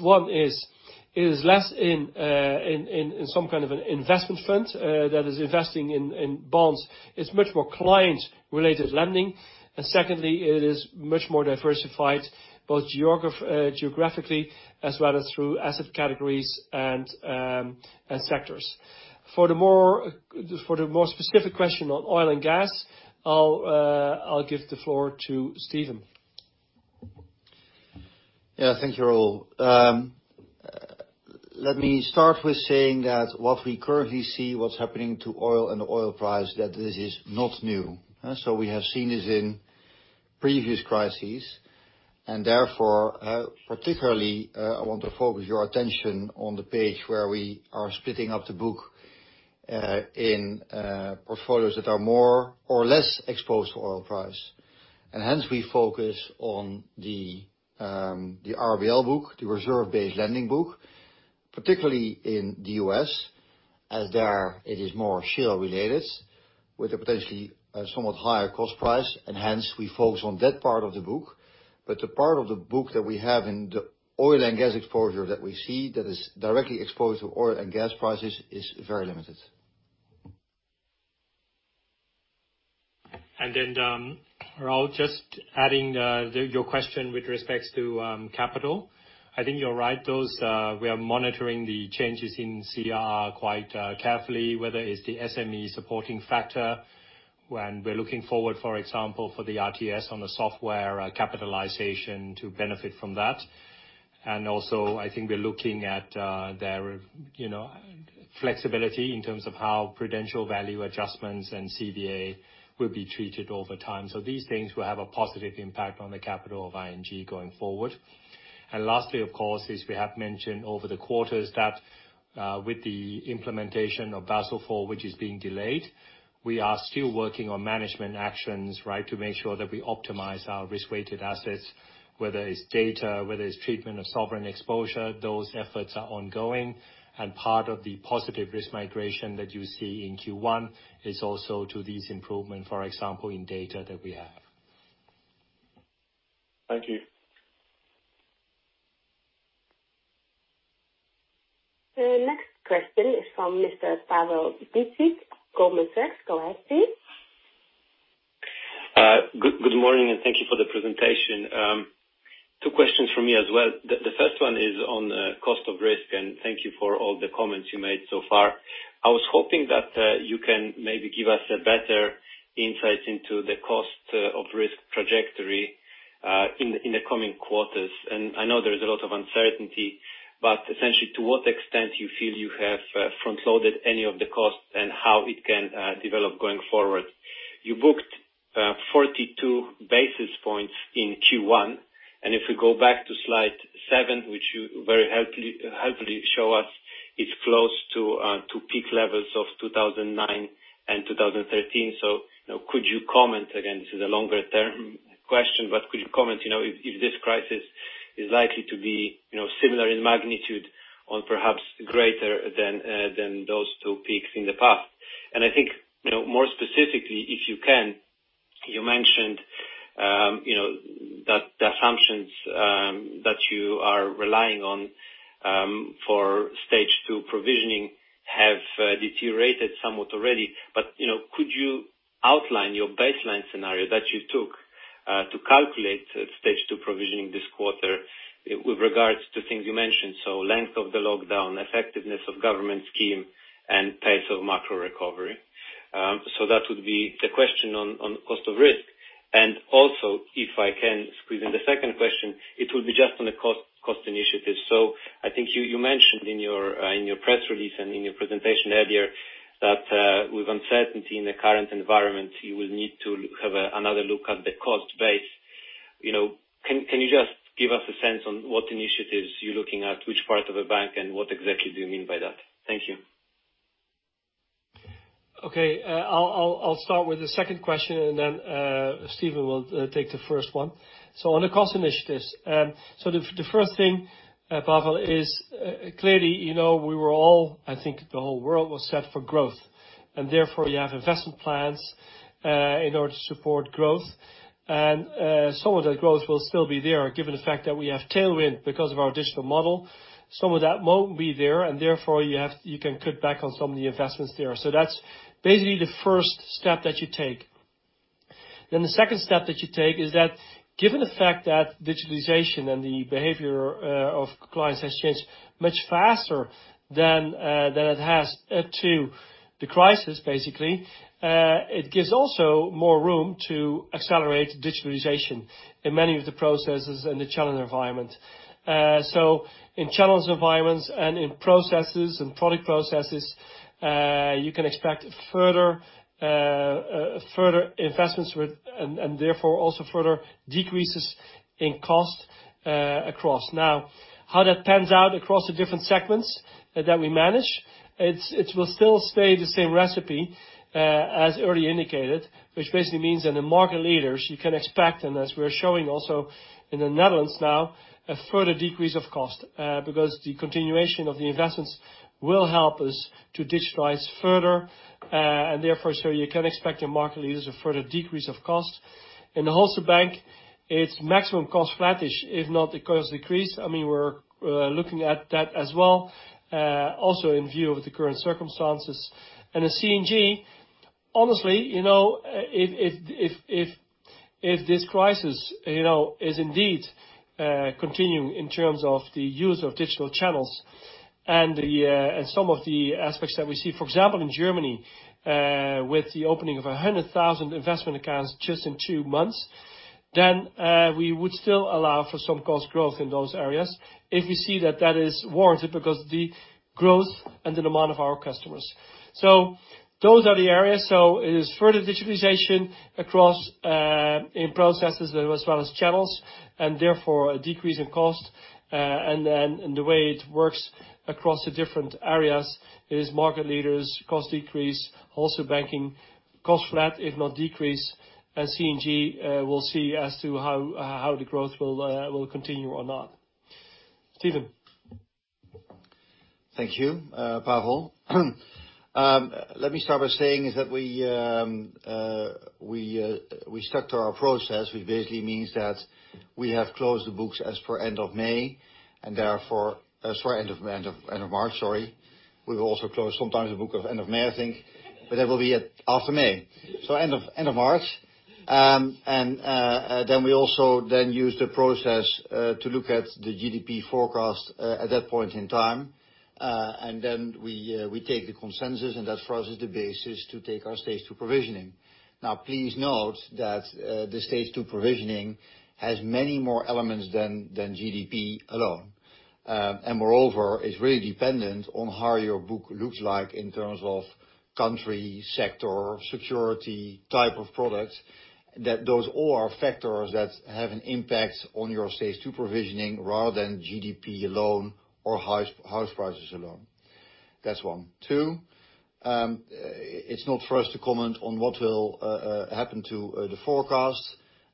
One is less in some kind of an investment fund that is investing in bonds. It's much more client-related lending. Secondly, it is much more diversified, both geographically as well as through asset categories and sectors. For the more specific question on oil and gas, I'll give the floor to Steven. Thank you, Raul. Let me start with saying that what we currently see, what's happening to oil and the oil price, that this is not new. We have seen this in previous crises. Therefore, particularly, I want to focus your attention on the page where we are splitting up the book, in portfolios that are more or less exposed to oil price. Hence we focus on the RBL book, the reserve-based lending book, particularly in the U.S., as there it is more shale related with a potentially somewhat higher cost price, and hence we focus on that part of the book. The part of the book that we have in the oil and gas exposure that we see that is directly exposed to oil and gas prices is very limited. Raul, just adding your question with respects to capital. I think you're right. We are monitoring the changes in CRR quite carefully, whether it's the SME supporting factor, when we're looking forward, for example, for the RTS on the software capitalization to benefit from that. Also, I think we're looking at their flexibility in terms of how prudential value adjustments and CVA will be treated over time. These things will have a positive impact on the capital of ING going forward. Lastly, of course, as we have mentioned over the quarters that, with the implementation of Basel IV, which is being delayed, we are still working on management actions, to make sure that we optimize our risk-weighted assets, whether it's data, whether it's treatment of sovereign exposure. Those efforts are ongoing. Part of the positive risk migration that you see in Q1 is also to this improvement, for example, in data that we have. Thank you. The next question is from Mr. Pawel Dziedzic, Goldman Sachs. Go ahead, please. Good morning, and thank you for the presentation. Two questions from me as well. The first one is on cost of risk. Thank you for all the comments you made so far. I was hoping that you can maybe give us a better insight into the cost of risk trajectory in the coming quarters. I know there is a lot of uncertainty, but essentially to what extent you feel you have front-loaded any of the costs and how it can develop going forward. You booked 42 basis points in Q1, and if we go back to slide seven, which you very helpfully show us, it's close to peak levels of 2009 and 2013. Could you comment, again, this is a longer term question, but could you comment if this crisis is likely to be similar in magnitude or perhaps greater than those two peaks in the past? I think, more specifically, if you can, you mentioned that the assumptions that you are relying on for stage two provisioning have deteriorated somewhat already. Could you outline your baseline scenario that you took to calculate stage two provisioning this quarter with regards to things you mentioned, so length of the lockdown, effectiveness of government scheme, and pace of macro recovery. That would be the question on cost of risk. Also, if I can squeeze in the second question, it will be just on the cost initiatives. I think you mentioned in your press release and in your presentation earlier that with uncertainty in the current environment, you will need to have another look at the cost base. Can you just give us a sense on what initiatives you're looking at, which part of a bank, and what exactly do you mean by that? Thank you. Okay. I'll start with the second question and then Steven will take the first one. On the cost initiatives. The first thing, Pawel, is clearly we were all, I think the whole world, was set for growth, and therefore you have investment plans in order to support growth. Some of that growth will still be there, given the fact that we have tailwind because of our digital model. Some of that won't be there, and therefore you can cut back on some of the investments there. That's basically the first step that you take. The second step that you take is that given the fact that digitalization and the behavior of clients has changed much faster than it has up to the crisis, basically, it gives also more room to accelerate digitalization in many of the processes and the channel environment. In channels environments and in processes and product processes, you can expect further investments and therefore also further decreases in cost across. How that pans out across the different segments that we manage, it will still stay the same recipe, as earlier indicated, which basically means that the market leaders you can expect, as we are showing also in the Netherlands now, a further decrease of cost. The continuation of the investments will help us to digitize further. Therefore, you can expect the market leaders a further decrease of cost. In the Wholesale Bank, its maximum cost flattish, if not the cost decrease. We are looking at that as well, also in view of the current circumstances. At C&G, honestly, if this crisis is indeed continuing in terms of the use of digital channels and some of the aspects that we see, for example, in Germany, with the opening of 100,000 investment accounts just in two months, then we would still allow for some cost growth in those areas. If we see that that is warranted because of the growth and the demand of our customers. Those are the areas. It is further digitalization across in processes as well as channels, and therefore a decrease in cost. The way it works across the different areas is market leaders, cost decrease, also banking, cost flat if not decrease. At C&G, we'll see as to how the growth will continue or not. Steven. Thank you, Pawel. Let me start by saying is that we stuck to our process, which basically means that we have closed the books as per end of May, therefore Sorry, end of March, sorry. We've also closed sometimes the book of end of May, I think, that will be after May. End of March. Then we also then use the process to look at the GDP forecast at that point in time. Then we take the consensus, that for us is the basis to take our stage two provisioning. Now, please note that the stage two provisioning has many more elements than GDP alone. Moreover, it's really dependent on how your book looks like in terms of country, sector, security, type of product, that those all are factors that have an impact on your stage two provisioning rather than GDP alone or house prices alone. That's one. Two, it's not for us to comment on what will happen to the forecast.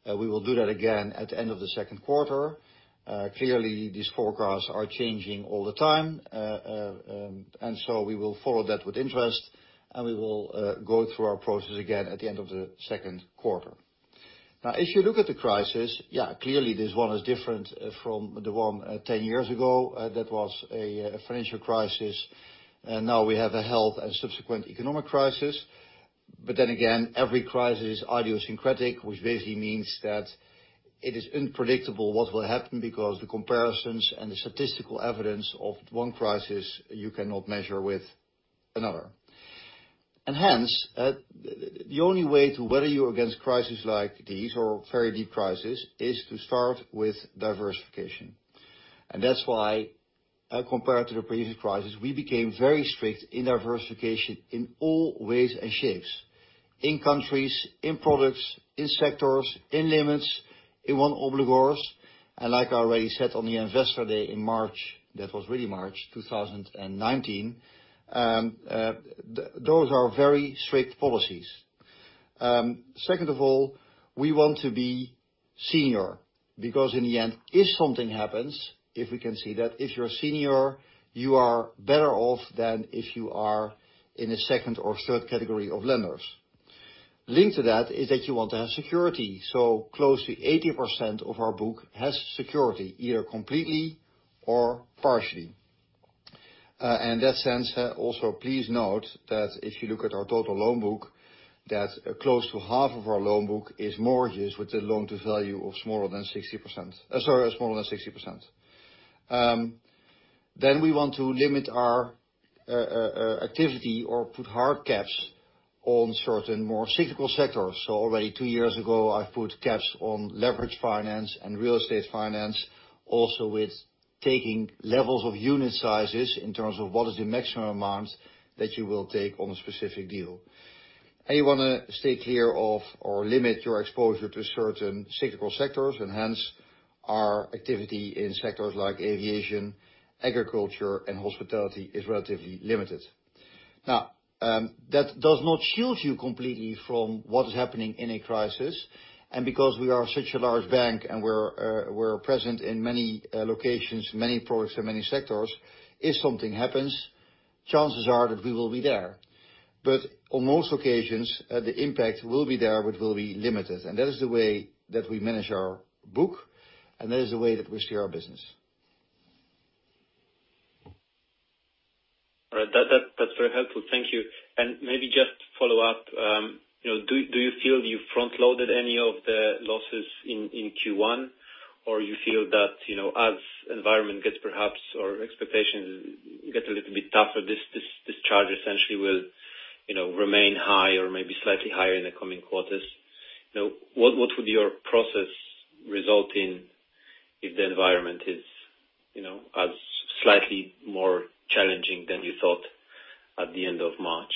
We will do that again at the end of the second quarter. Clearly, these forecasts are changing all the time. We will follow that with interest, and we will go through our process again at the end of the second quarter. If you look at the crisis, clearly this one is different from the one 10 years ago. That was a financial crisis. Now we have a health and subsequent economic crisis. Every crisis is idiosyncratic, which basically means that it is unpredictable what will happen because the comparisons and the statistical evidence of one crisis, you cannot measure with another. Hence, the only way to weather you against crises like these or very deep crisis is to start with diversification. That's why, compared to the previous crisis, we became very strict in diversification in all ways and shapes, in countries, in products, in sectors, in limits, in one obligor. Like I already said on the investor day in March, that was really March 2019, those are very strict policies. Second of all, we want to be senior because in the end, if something happens, if we can see that, if you're senior, you are better off than if you are in a second or third category of lenders. Linked to that is that you want to have security. Close to 80% of our book has security, either completely or partially. In that sense, also please note that if you look at our total loan book, that close to half of our loan book is mortgages with a loan-to-value of smaller than 60%. We want to limit our activity or put hard caps on certain more cyclical sectors. Already two years ago, I put caps on leverage finance and real estate finance also with taking levels of unit sizes in terms of what is the maximum amount that you will take on a specific deal. You want to stay clear of or limit your exposure to certain cyclical sectors, hence our activity in sectors like aviation, agriculture, and hospitality is relatively limited. Now, that does not shield you completely from what is happening in a crisis. Because we are such a large bank and we're present in many locations, many products and many sectors, if something happens, chances are that we will be there. On most occasions, the impact will be there, but will be limited. That is the way that we manage our book, and that is the way that we steer our business. All right. That's very helpful. Thank you. Maybe just to follow up, do you feel you front-loaded any of the losses in Q1, or you feel that as environment gets perhaps or expectations get a little bit tougher, this charge essentially will remain high or maybe slightly higher in the coming quarters? What would your process result in if the environment is as slightly more challenging than you thought at the end of March?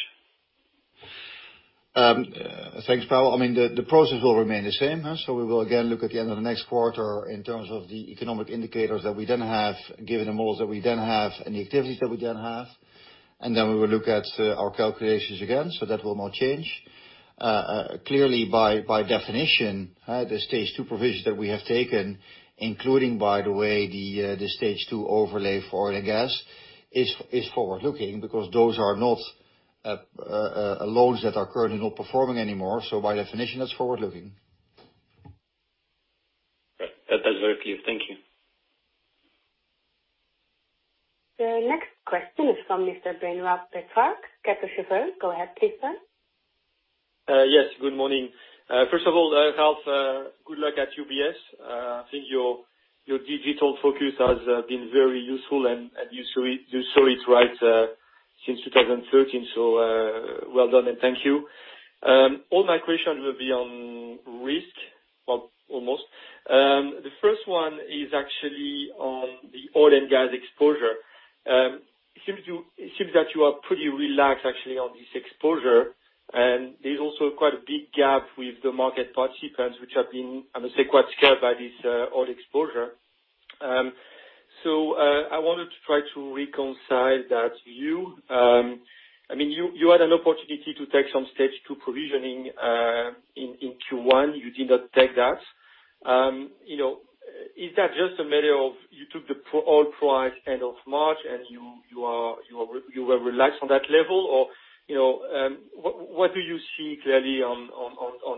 Thanks, Pawel. The process will remain the same. We will again look at the end of the next quarter in terms of the economic indicators that we then have, given the models that we then have and the activities that we then have, and then we will look at our calculations again. That will not change. Clearly by definition, the stage two provisions that we have taken, including, by the way, the stage two overlay for oil and gas is forward-looking because those are not loans that are currently not performing anymore. By definition, that's forward-looking. Right. That's very clear. Thank you. The next question is from Mr. Benoît Pétrarque, Kepler Cheuvreux. Go ahead, please, sir. Good morning. First of all, Ralph, good luck at UBS. I think your digital focus has been very useful, and you saw it right since 2013. Well done, and thank you. All my questions will be on risk, well, almost. The first one is actually on the oil and gas exposure. It seems that you are pretty relaxed actually on this exposure, and there's also quite a big gap with the market participants, which have been, I must say, quite scared by this oil exposure. I wanted to try to reconcile that you had an opportunity to take some stage two provisioning, in Q1, you did not take that. Is that just a matter of you took the oil price end of March and you were relaxed on that level? What do you see clearly on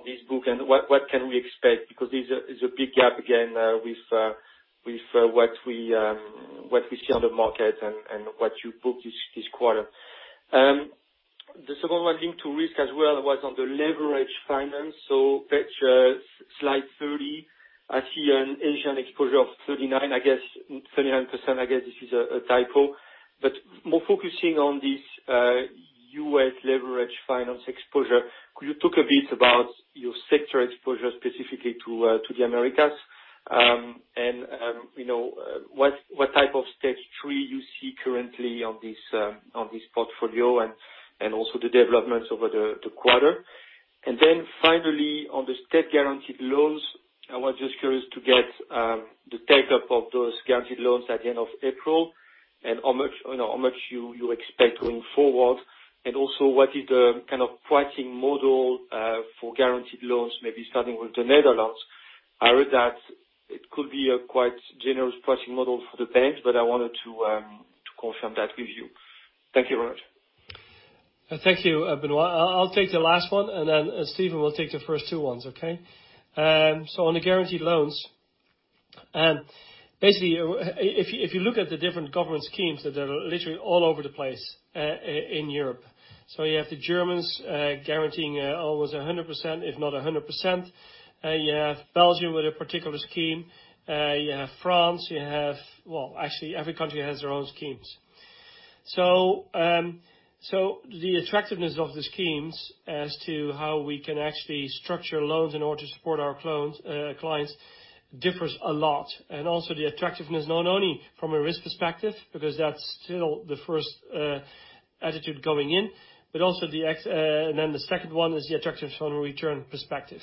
this book and what can we expect? There's a big gap again with what we see on the market and what you booked this quarter. The second one linked to risk as well was on the leverage finance. Page, slide 30. I see an Asian exposure of 39%, I guess this is a typo. More focusing on this, U.S. leverage finance exposure. Could you talk a bit about your sector exposure specifically to the Americas? What type of stage three you see currently on this portfolio and also the developments over the quarter? Finally on the state guaranteed loans, I was just curious to get the take-up of those guaranteed loans at the end of April and how much you expect going forward. What is the pricing model, for guaranteed loans, maybe starting with the Netherlands. I read that it could be a quite generous pricing model for the banks. I wanted to confirm that with you. Thank you very much. Thank you, Benoît. I'll take the last one, and then Steven will take the first two ones, okay? If you look at the different government schemes that are literally all over the place in Europe. You have the Germans guaranteeing almost 100%, if not 100%. You have Belgium with a particular scheme. You have France. Well, actually, every country has their own schemes. The attractiveness of the schemes as to how we can actually structure loans in order to support our clients differs a lot. Also the attractiveness, not only from a risk perspective, because that's still the first attitude going in, but also then the second one is the attractiveness from a return perspective.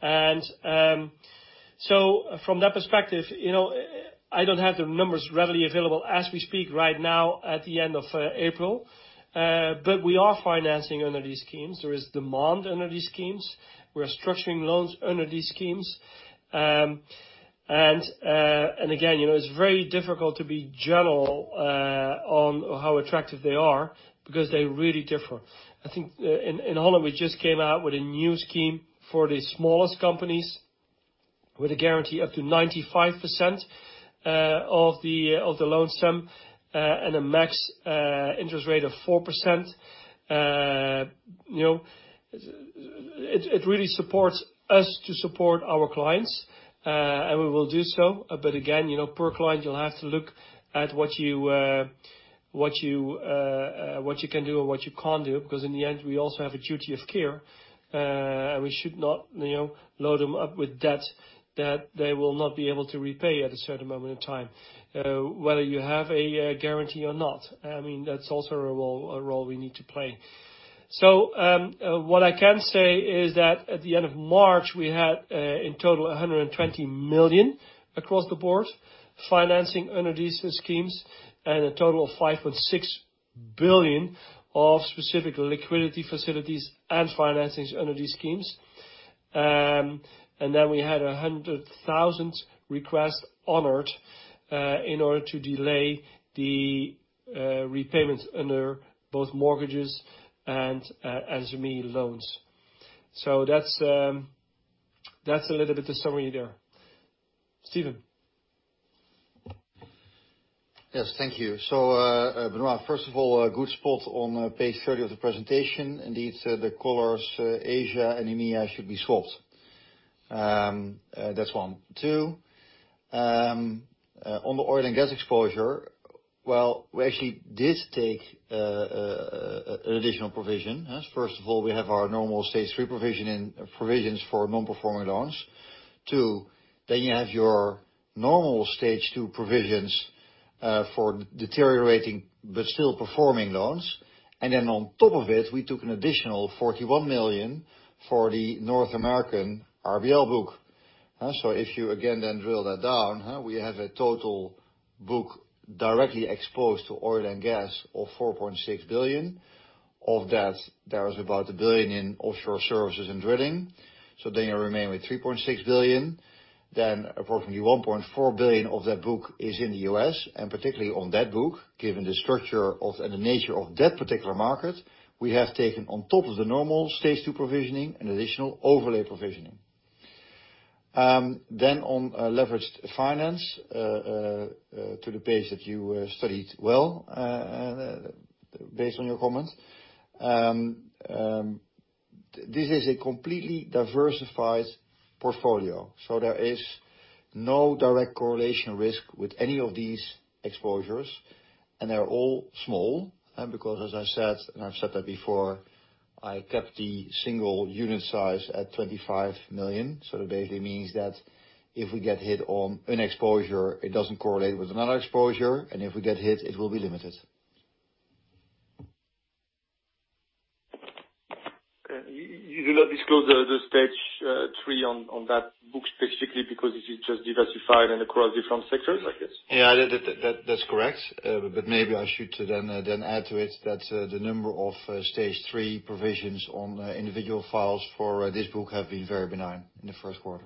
From that perspective, I don't have the numbers readily available as we speak right now at the end of April. We are financing under these schemes. There is demand under these schemes. We're structuring loans under these schemes. Again, it's very difficult to be general on how attractive they are because they really differ. I think in Holland we just came out with a new scheme for the smallest companies with a guarantee up to 95% of the loan sum and a max interest rate of 4%. It really supports us to support our clients, and we will do so. Again, per client, you'll have to look at what you can do and what you can't do, because in the end, we also have a duty of care, and we should not load them up with debt that they will not be able to repay at a certain moment in time, whether you have a guarantee or not. That's also a role we need to play. What I can say is that at the end of March, we had in total 120 million across the board financing under these schemes and a total of 5.6 billion of specific liquidity facilities and financings under these schemes. We had 100,000 requests honored, in order to delay the repayments under both mortgages and SME loans. That's a little bit of summary there. Steven. Thank you. Benoît, first of all, good spot on page 30 of the presentation. Indeed, the colors Asia and EMEA should be swapped. That's one. Two, on the oil and gas exposure, well, we actually did take an additional provision. First of all, we have our normal stage three provisions for non-performing loans. Two, you have your normal stage two provisions for deteriorating but still performing loans. On top of it, we took an additional 41 million for the North American RBL book. If you, again, drill that down, we have a total book directly exposed to oil and gas of 4.6 billion. Of that, there is about 1 billion in offshore services and drilling. You remain with 3.6 billion. Approximately 1.4 billion of that book is in the U.S. and particularly on that book, given the structure and the nature of that particular market, we have taken on top of the normal stage two provisioning an additional overlay provisioning. On leveraged finance, to the page that you studied well, based on your comments. This is a completely diversified portfolio, so there is no direct correlation risk with any of these exposures, and they're all small. Because as I said, and I've said that before, I kept the single unit size at 25 million. That basically means that if we get hit on an exposure, it doesn't correlate with another exposure, and if we get hit, it will be limited. You do not disclose the stage three on that book specifically because it is just diversified and across different sectors, I guess. Yeah, that's correct. Maybe I should then add to it that the number of stage three provisions on individual files for this book have been very benign in the first quarter.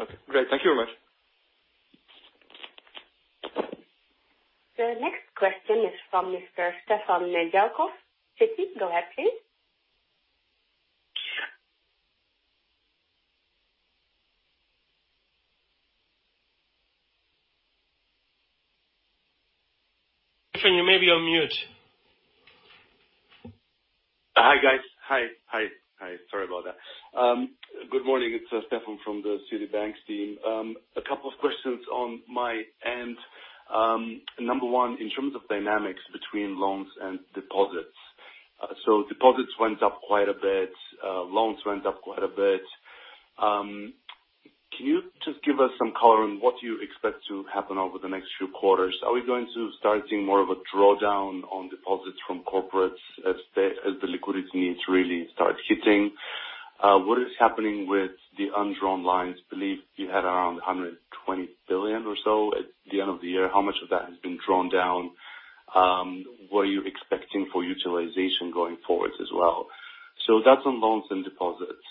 Okay, great. Thank you very much. The next question is from Mr. Stefan Nedialkov, Citi. Please go ahead, please. Stefan, you may be on mute. Hi, guys. Hi. Sorry about that. Good morning. It's Stefan from the Citibank team. A couple of questions on my end. Number one, in terms of dynamics between loans and deposits. Deposits went up quite a bit, loans went up quite a bit. Can you just give us some color on what you expect to happen over the next few quarters? Are we going to start seeing more of a drawdown on deposits from corporates as the liquidity needs really start hitting? What is happening with the undrawn lines? Believe you had around 120 billion or so at the end of the year. How much of that has been drawn down? What are you expecting for utilization going forward as well? That's on loans and deposits.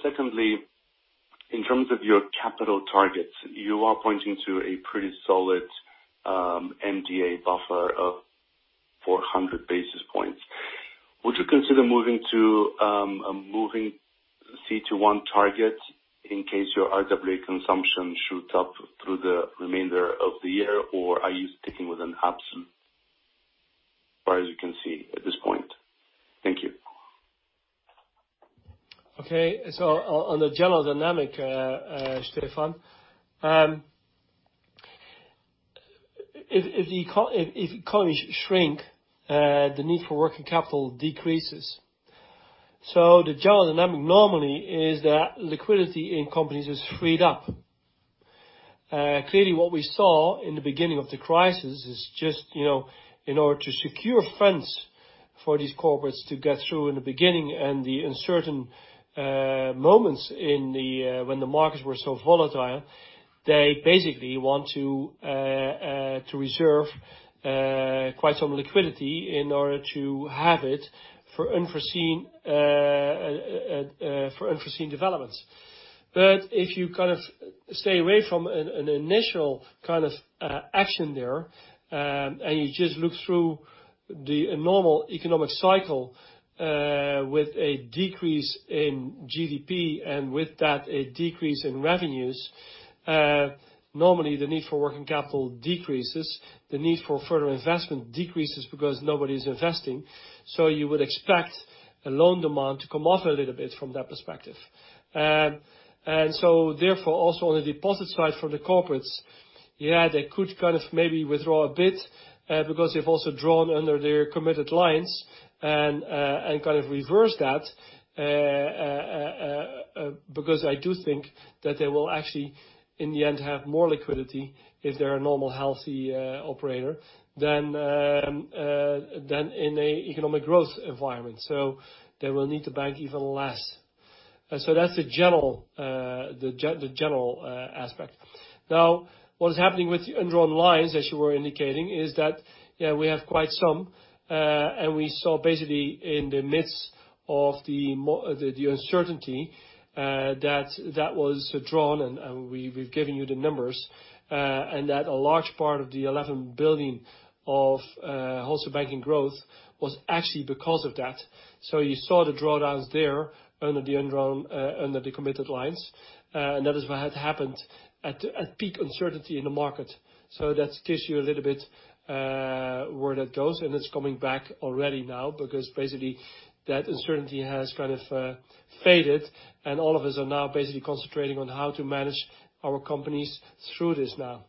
Secondly, in terms of your capital targets, you are pointing to a pretty solid MDA buffer of 400 basis points. Would you consider moving CET1 target in case your RWA consumption shoots up through the remainder of the year? Are you sticking with an bsolute, as far as you can see at this point? Thank you. Okay. On the general dynamic, Stefan, if economies shrink, the need for working capital decreases. The general dynamic normally is that liquidity in companies is freed up. Clearly, what we saw in the beginning of the crisis is just, in order to secure funds for these corporates to get through in the beginning and the uncertain moments when the markets were so volatile, they basically want to reserve quite some liquidity in order to have it for unforeseen developments. If you stay away from an initial action there, and you just look through the normal economic cycle with a decrease in GDP and with that a decrease in revenues, normally the need for working capital decreases. The need for further investment decreases because nobody's investing. You would expect a loan demand to come off a little bit from that perspective. Therefore, also on the deposit side from the corporates, they could maybe withdraw a bit, because they've also drawn under their committed lines and, kind of reverse that. I do think that they will actually, in the end, have more liquidity if they're a normal, healthy operator than in a economic growth environment. They will need to bank even less. That's the general aspect. What is happening with the undrawn lines, as you were indicating, is that we have quite some. We saw basically in the midst of the uncertainty, that was drawn and we've given you the numbers, and that a large part of the 11 billion of Wholesale Banking growth was actually because of that. You saw the drawdowns there under the undrawn, under the committed lines. That is what had happened at peak uncertainty in the market. That gives you a little bit where that goes, and it's coming back already now because basically that uncertainty has faded, and all of us are now basically concentrating on how to manage our companies through this now.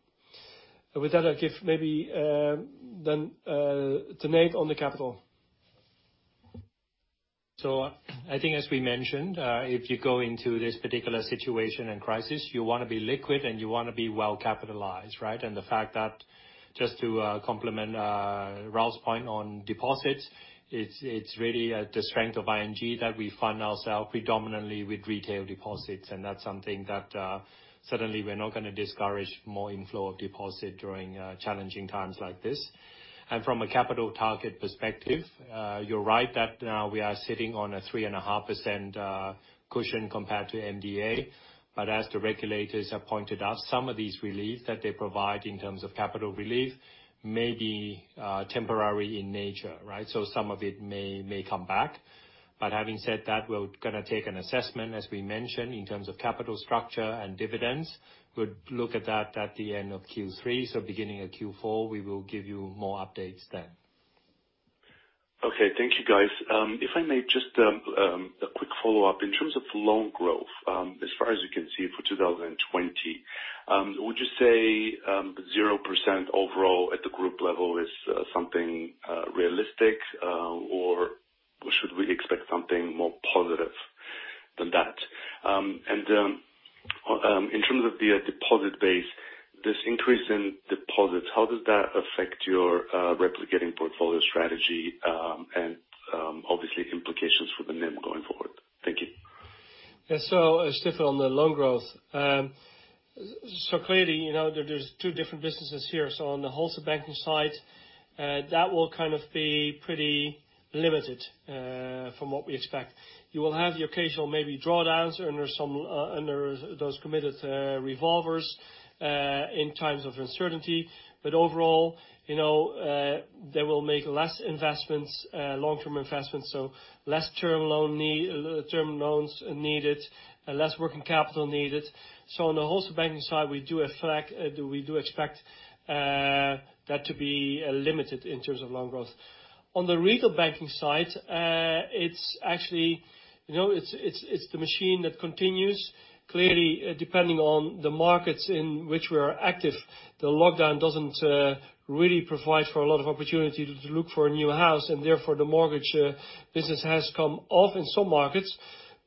With that, I give maybe then, Tanate on the capital. I think as we mentioned, if you go into this particular situation and crisis, you want to be liquid and you want to be well capitalized, right? The fact that just to complement Ralph's point on deposits, it's really the strength of ING that we find ourselves predominantly with retail deposits. That's something that, certainly we're not going to discourage more inflow of deposits during challenging times like this. From a capital target perspective, you're right that we are sitting on a 3.5% cushion compared to MDA. As the regulators have pointed out, some of these relief that they provide in terms of capital relief may be temporary in nature, right? Some of it may come back. Having said that, we're going to take an assessment, as we mentioned, in terms of capital structure and dividends. We'd look at that at the end of Q3, so beginning of Q4, we will give you more updates then. Okay. Thank you guys. If I may, just a quick follow-up. In terms of loan growth, as far as you can see for 2020, would you say 0% overall at the group level is something realistic, or should we expect something more positive than that? In terms of the deposit base, this increase in deposits, how does that affect your replicating portfolio strategy, and obviously implications for the NIM going forward? Thank you. Yeah. Stefan, on the loan growth. Clearly, there's two different businesses here. On the Wholesale Banking side, that will be pretty limited, from what we expect. You will have the occasional maybe drawdowns under those committed revolvers, in times of uncertainty. Overall, they will make less investments, long-term investments, so less term loans needed, less working capital needed. On the Wholesale Banking side, we do expect that to be limited in terms of loan growth. On the Retail Banking side, it's the machine that continues. Clearly, depending on the markets in which we are active, the lockdown doesn't really provide for a lot of opportunity to look for a new house and therefore the mortgage business has come off in some markets.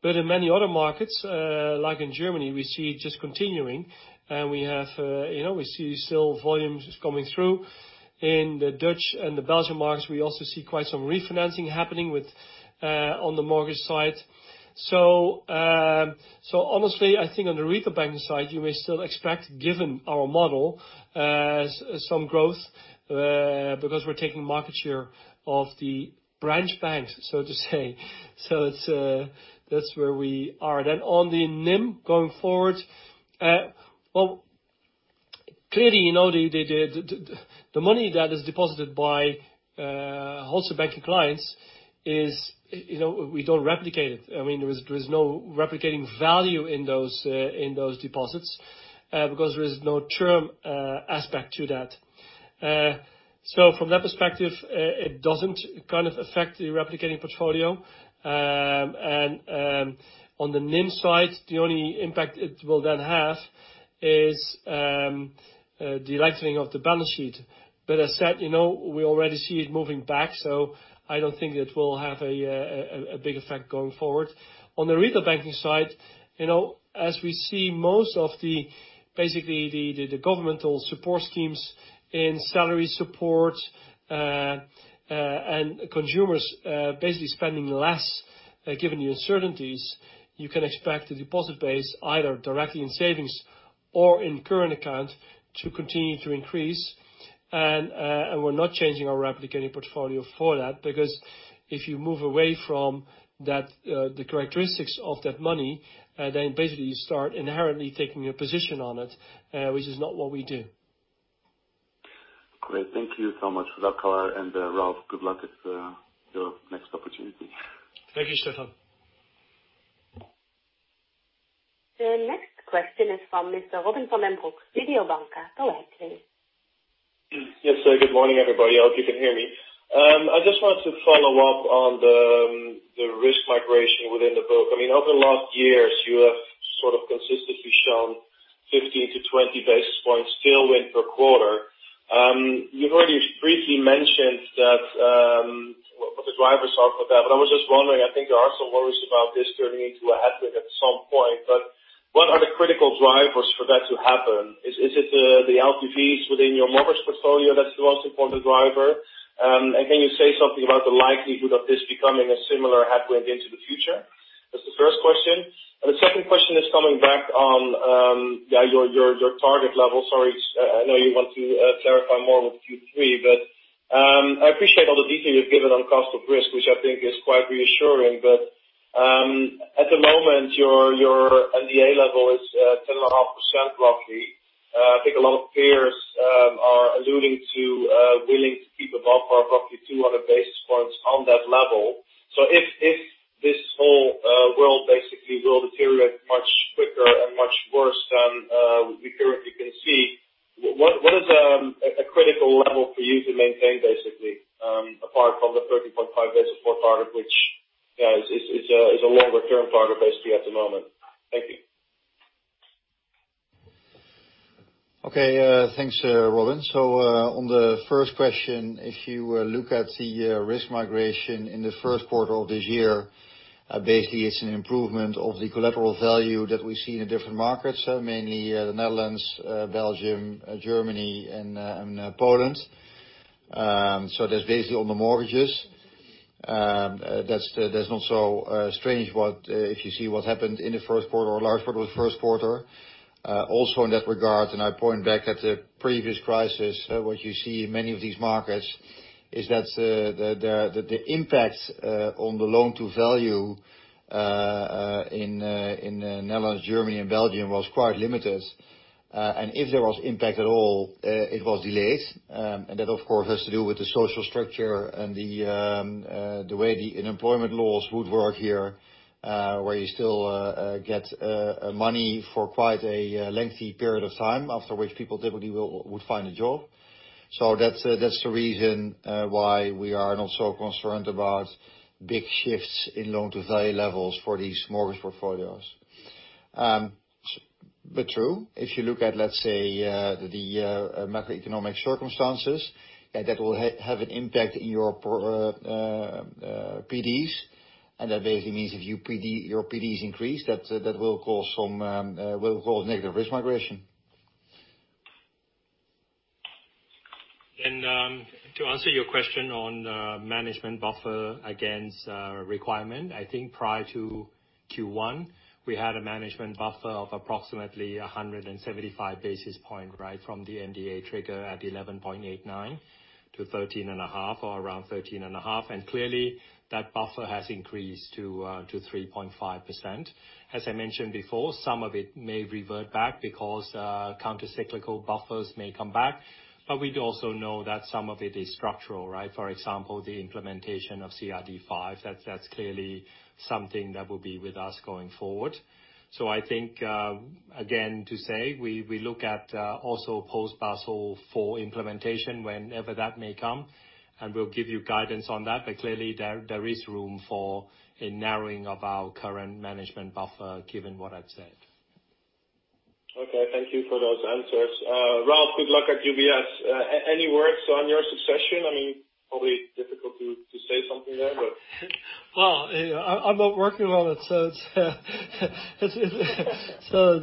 In many other markets, like in Germany, we see it just continuing, and we see still volumes coming through. In the Dutch and the Belgium markets, we also see quite some refinancing happening on the mortgage side. Honestly, I think on the Retail Banking side, you may still expect, given our model, some growth, because we're taking market share of the branch banks, so to say. That's where we are then. Clearly, the money that is deposited by Wholesale Banking clients, we don't replicate it. There is no replicating value in those deposits, because there is no term aspect to that. From that perspective, it doesn't affect the replicating portfolio. On the NIM side, the only impact it will then have is the lightening of the balance sheet. As said, we already see it moving back, so I don't think it will have a big effect going forward. On the Retail Banking side, as we see most of basically the governmental support schemes in salary support and consumers basically spending less, given the uncertainties, you can expect the deposit base, either directly in savings or in current account, to continue to increase. We're not changing our replicating portfolio for that, because if you move away from the characteristics of that money, then basically you start inherently taking a position on it, which is not what we do. Great. Thank you so much for that, color. Ralph, good luck at your next opportunity. Thank you, Stefan. The next question is from Mr. Robin van den Broek, Mediobanca. Go ahead, please. Yes, sir. Good morning, everybody. Hope you can hear me. I just wanted to follow up on the risk migration within the book. Over the last years, you have sort of consistently shown 15-20 basis points tailwind per quarter. You've already briefly mentioned what the drivers are for that. I was just wondering, I think there are some worries about this turning into a headwind at some point. What are the critical drivers for that to happen? Is it the LTVs within your mortgage portfolio that's the most important driver? Can you say something about the likelihood of this becoming a similar headwind into the future? That's the first question. The second question is coming back on your target level. Sorry, I know you want to clarify more with Q3. I appreciate all the detail you've given on cost of risk, which I think is quite reassuring. At the moment, your MDA level is 10.5% roughly. I think a lot of peers are alluding to willing to keep a buffer of roughly 200 basis points on that level. If this whole world basically will deteriorate much quicker and much worse than we currently can see, what is a critical level for you to maintain, basically, apart from the 13.5% Basel IV target, which is a longer term target, basically, at the moment? Thank you. Okay, thanks, Robin. On the first question, if you look at the risk migration in the first quarter of this year, basically, it's an improvement of the collateral value that we see in the different markets, mainly the Netherlands, Belgium, Germany, and Poland. That's basically on the mortgages. That's not so strange if you see what happened in the first quarter, a large part of the first quarter. Also in that regard, and I point back at the previous crisis, what you see in many of these markets is that the impact on the loan-to-value in Netherlands, Germany, and Belgium was quite limited. If there was impact at all, it was delayed. That, of course, has to do with the social structure and the way the unemployment laws would work here, where you still get money for quite a lengthy period of time, after which people typically would find a job. That's the reason why we are not so concerned about big shifts in loan-to-value levels for these mortgage portfolios. True, if you look at, let's say, the macroeconomic circumstances, that will have an impact in your PDs, and that basically means if your PDs increase, that will cause negative risk migration. To answer your question on management buffer against requirement, I think prior to Q1, we had a management buffer of approximately 175 basis points right from the MDA trigger at 11.89%-13.5%, or around 13.5%. Clearly, that buffer has increased to 3.5%. As I mentioned before, some of it may revert back because countercyclical buffers may come back. We'd also know that some of it is structural, right? For example, the implementation of CRD V. That's clearly something that will be with us going forward. I think, again, to say we look at also post Basel IV implementation whenever that may come, and we'll give you guidance on that. Clearly, there is room for a narrowing of our current management buffer given what I've said. Okay. Thank you for those answers. Ralph, good luck at UBS. Any words on your succession? Probably difficult to say something there. Well, I'm not working on it, so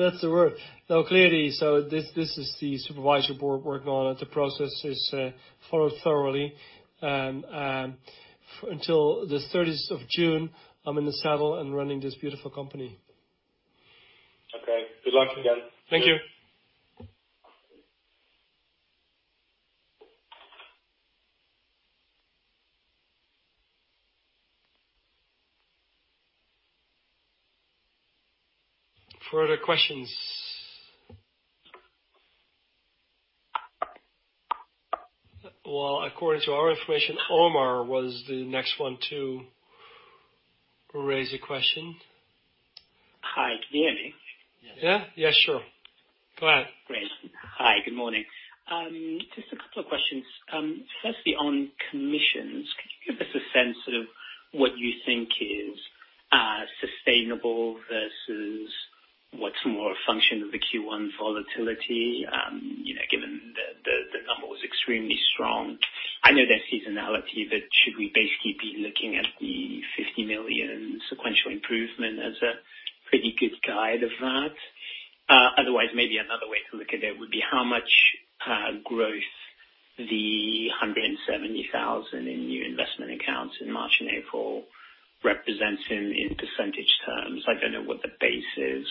that's the word. No, clearly, so this is the Supervisory Board working on it. The process is followed thoroughly. Until the 30th of June, I'm in the saddle and running this beautiful company. Okay. Good luck again. Thank you. Further questions. Well, according to our information, Omar was the next one to raise a question. Hi. Can you hear me? Yeah. Sure. Go ahead. Great. Hi, good morning. Just a couple of questions. Firstly, on commissions, could you give us a sense of what you think is sustainable versus what's more a function of the Q1 volatility? Given the number was extremely strong. I know there's seasonality, but should we basically be looking at the 50 million sequential improvement as a pretty good guide of that? Otherwise, maybe another way to look at it would be how much growth the 170,000 in new investment accounts in March and April represents in percentage terms. I don't know what the base is.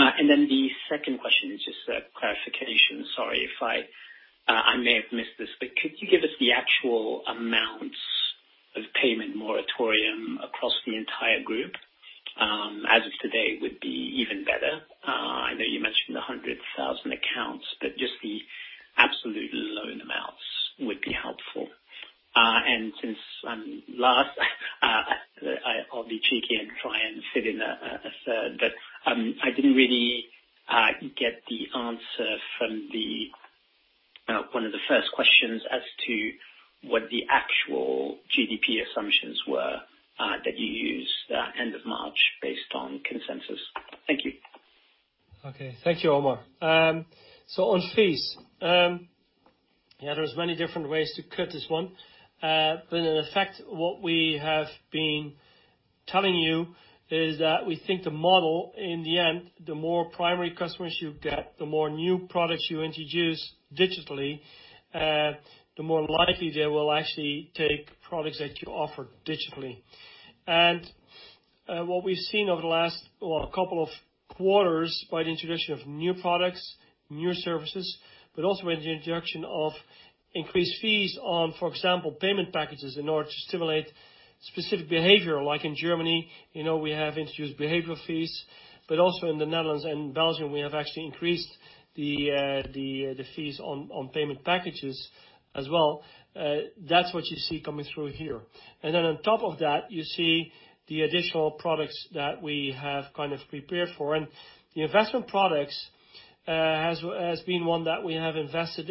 The second question is just a clarification. Sorry, I may have missed this, but could you give us the actual amounts of payment moratorium across the entire group, as of today would be even better. I know you mentioned the 100,000 accounts, but just the absolute loan amounts would be helpful. Since I'm last, I'll be cheeky and try and fit in a third, but I didn't really get the answer from one of the first questions as to what the actual GDP assumptions were that you used end of March based on consensus? Thank you. Thank you, Omar. On fees. There's many different ways to cut this one. In effect, what we have been telling you is that we think the model, in the end, the more primary customers you get, the more new products you introduce digitally, the more likely they will actually take products that you offer digitally. What we've seen over the last couple of quarters, by the introduction of new products, new services, but also with the introduction of increased fees on, for example, payment packages in order to stimulate specific behavior, like in Germany, we have introduced behavioral fees, but also in the Netherlands and Belgium, we have actually increased the fees on payment packages as well. That's what you see coming through here. On top of that, you see the additional products that we have prepared for. The investment products has been one that we have invested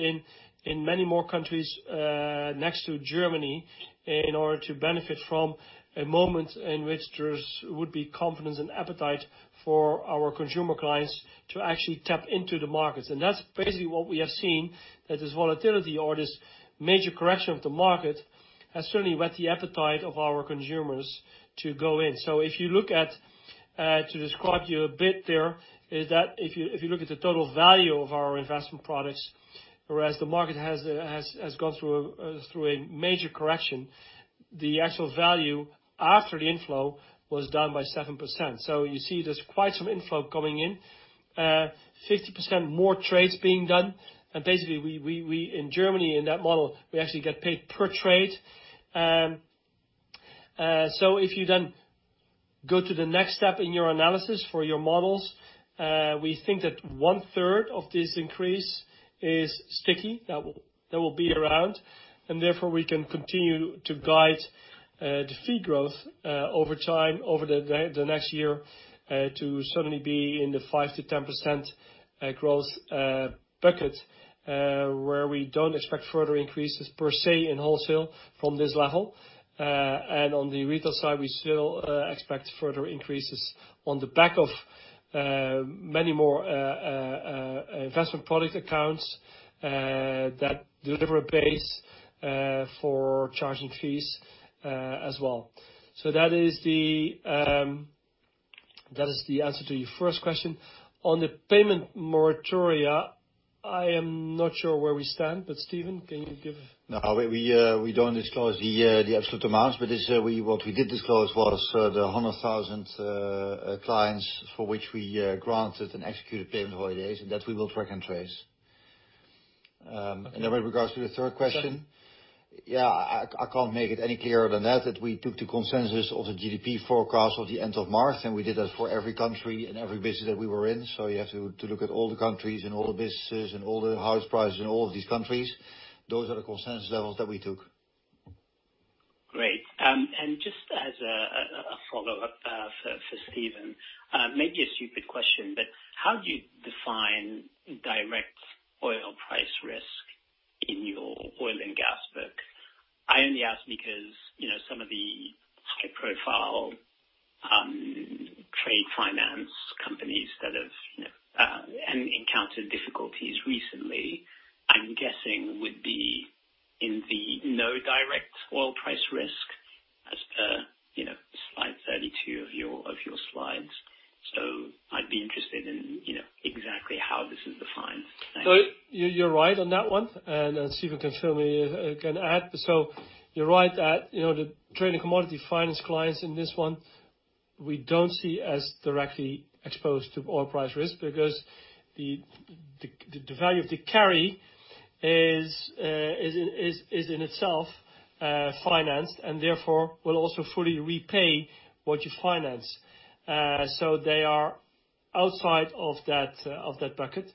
in many more countries next to Germany in order to benefit from a moment in which there would be confidence and appetite for our consumer clients to actually tap into the markets. That's basically what we have seen, that this volatility or this major correction of the market, has certainly wet the appetite of our consumers to go in. If you look at the total value of our investment products, whereas the market has gone through a major correction, the actual value after the inflow was down by 7%. You see there's quite some inflow coming in, 50% more trades being done. Basically, in Germany, in that model, we actually get paid per trade. If you then go to the next step in your analysis for your models, we think that 1/3 of this increase is sticky, that will be around, and therefore we can continue to guide the fee growth over time, over the next year, to certainly be in the 5%-10% growth bucket, where we don't expect further increases per se in wholesale from this level. On the retail side, we still expect further increases on the back of many more investment product accounts that deliver a base for charging fees as well. That is the answer to your first question. On the payment moratoria, I am not sure where we stand, but Steven, can you give? We don't disclose the absolute amounts, but what we did disclose was the 100,000 clients for which we granted and executed payment holidays, and that we will track and trace. With regards to the third question, yeah, I can't make it any clearer than that we took the consensus of the GDP forecast of the end of March, and we did that for every country and every business that we were in. You have to look at all the countries and all the businesses and all the house prices in all of these countries. Those are the consensus levels that we took. Great. Just as a follow-up for Steven, maybe a stupid question, but how do you define direct oil price risk in your oil and gas book? I only ask because some of the profile trade finance companies that have encountered difficulties recently, I'm guessing would be in the no direct oil price risk as per slide 32 of your slides. I'd be interested in exactly how this is defined. Thanks. You're right on that one, and Steven can fill me in. You're right that the Trade and Commodity Finance clients in this one, we don't see as directly exposed to oil price risk because the value of the carry is in itself financed, and therefore will also fully repay what you finance. They are outside of that bucket.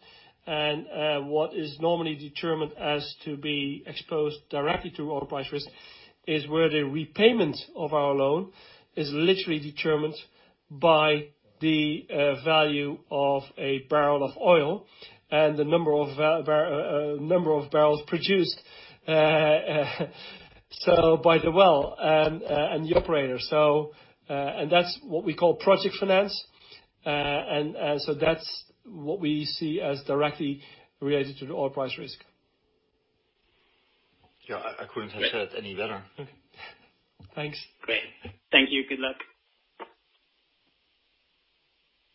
What is normally determined as to be exposed directly to oil price risk is where the repayment of our loan is literally determined by the value of a barrel of oil and the number of barrels produced by the well and the operator. That's what we call project finance. That's what we see as directly related to the oil price risk. Yeah, I couldn't have said it any better. Okay. Thanks. Great. Thank you. Good luck.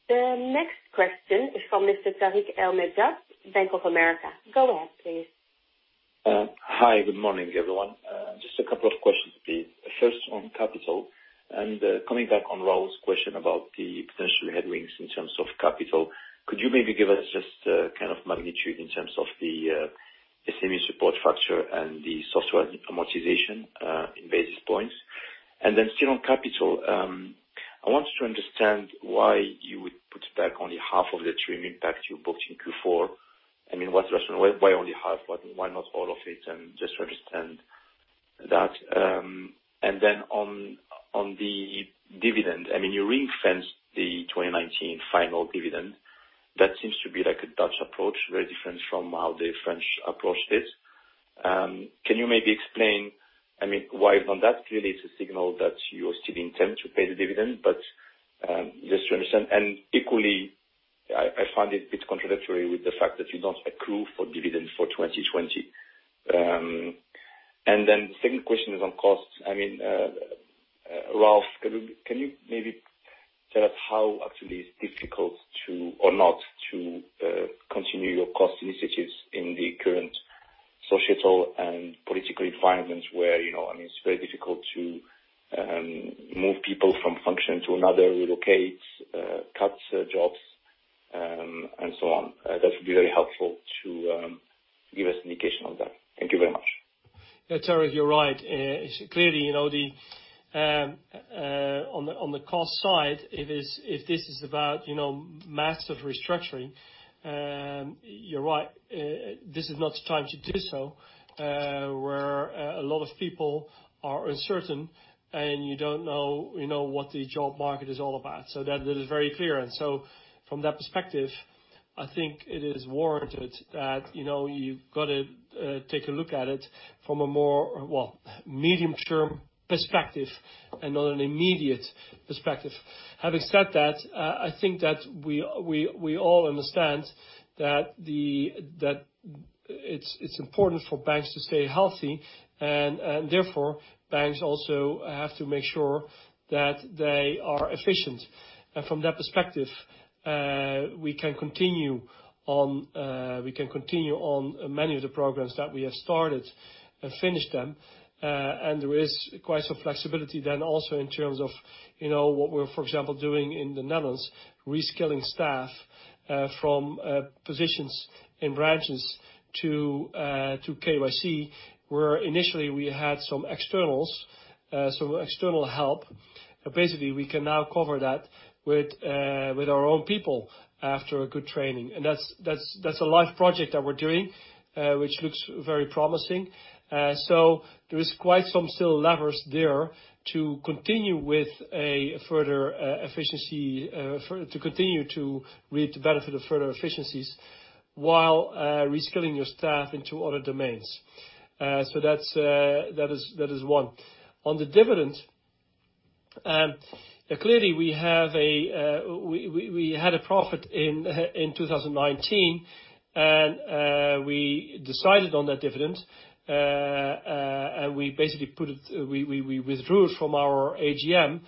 The next question is from Mr. Tarik El Mejjad, Bank of America. Go ahead, please. Hi. Good morning, everyone. Just a couple of questions, please. First, on capital, and coming back on Raul's question about the potential headwinds in terms of capital, could you maybe give us just magnitude in terms of the SME support factor and the software amortization in basis points? Still on capital, I wanted to understand why you would put back only half of the TRIM impact you booked in Q4. Why only half? Why not all of it? Just to understand that. On the dividend. You referenced the 2019 final dividend. That seems to be like a Dutch approach, very different from how the French approached it. Can you maybe explain why on that? Clearly, it's a signal that you still intend to pay the dividend, but just to understand. Equally, I find it a bit contradictory with the fact that you don't accrue for dividend for 2020. The second question is on costs. Ralph, can you maybe tell us how actually it's difficult to, or not, to continue your cost initiatives in the current societal and political environment where it's very difficult to move people from function to another, relocate, cut jobs, and so on? That would be very helpful to give us indication on that. Thank you very much. Yeah, Tarik, you're right. Clearly, on the cost side, if this is about massive restructuring, you're right. This is not the time to do so, where a lot of people are uncertain, and you don't know what the job market is all about. That is very clear. From that perspective, I think it is warranted that you've got to take a look at it from a more medium-term perspective and not an immediate perspective. Having said that, I think that we all understand that it's important for banks to stay healthy, and therefore banks also have to make sure that they are efficient. From that perspective, we can continue on many of the programs that we have started and finish them. There is quite some flexibility then also in terms of what we're, for example, doing in the Netherlands, reskilling staff from positions in branches to KYC, where initially we had some external help. Basically, we can now cover that with our own people after a good training. That's a live project that we're doing, which looks very promising. There is quite some still levers there to continue to reap the benefit of further efficiencies while reskilling your staff into other domains. That is one. On the dividend, clearly we had a profit in 2019, and we decided on that dividend, and we withdrew it from our AGM.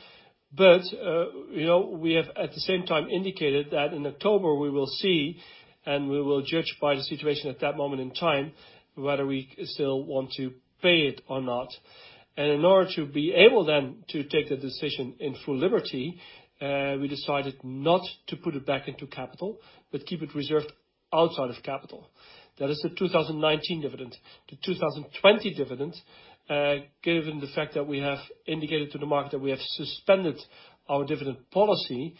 We have, at the same time, indicated that in October we will see, and we will judge by the situation at that moment in time, whether we still want to pay it or not. In order to be able then to take the decision in full liberty, we decided not to put it back into capital but keep it reserved outside of capital. That is the 2019 dividend. The 2020 dividend, given the fact that we have indicated to the market that we have suspended our dividend policy,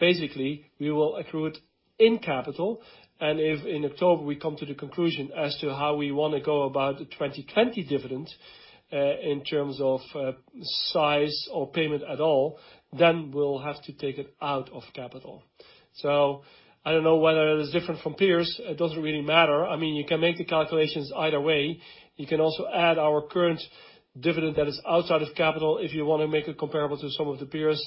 basically we will accrue it in capital, and if in October we come to the conclusion as to how we want to go about the 2020 dividend, in terms of size or payment at all, then we'll have to take it out of capital. I don't know whether it is different from peers. It doesn't really matter. You can make the calculations either way. You can also add our current dividend that is outside of capital. If you want to make it comparable to some of the peers,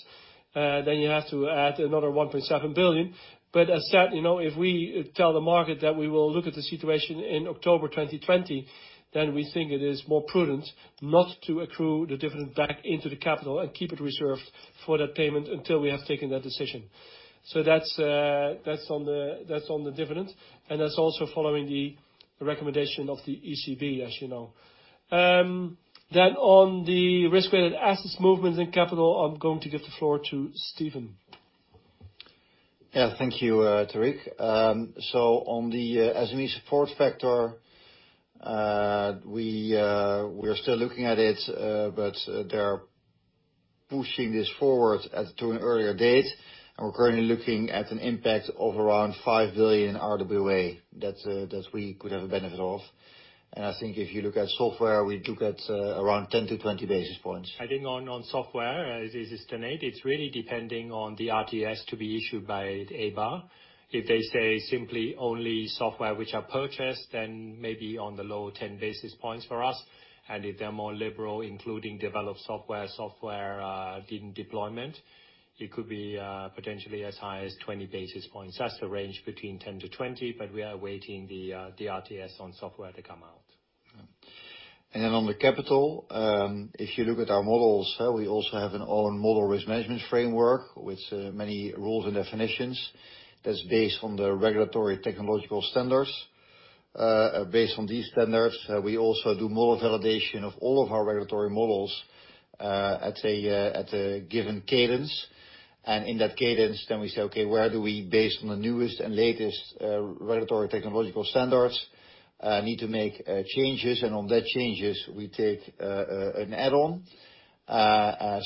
you have to add another 1.7 billion. As said, if we tell the market that we will look at the situation in October 2020, then we think it is more prudent not to accrue the dividend back into the capital and keep it reserved for that payment until we have taken that decision. That's on the dividend, and that's also following the recommendation of the ECB, as you know. On the risk-weighted assets movements in capital, I'm going to give the floor to Steven. Thank you, Tarik. On the SME support factor, we're still looking at it, but they're pushing this forward to an earlier date. We're currently looking at an impact of around 5 billion RWA that we could have a benefit of. I think if you look at software, we look at around 10-20 basis points. I think on software, as is stated, it's really depending on the RTS to be issued by EBA. If they say simply only software which are purchased, then maybe on the low 10 basis points for us, and if they're more liberal, including developed software in deployment, it could be potentially as high as 20 basis points. That's the range, between 10-20 basis points. We are awaiting the RTS on software to come out. On the capital, if you look at our models, we also have an own model risk management framework with many rules and definitions that's based on the regulatory technological standards. Based on these standards, we also do model validation of all of our regulatory models at a given cadence. In that cadence, then we say, "Okay, where do we, based on the newest and latest regulatory technological standards, need to make changes?" On that changes, we take an add-on.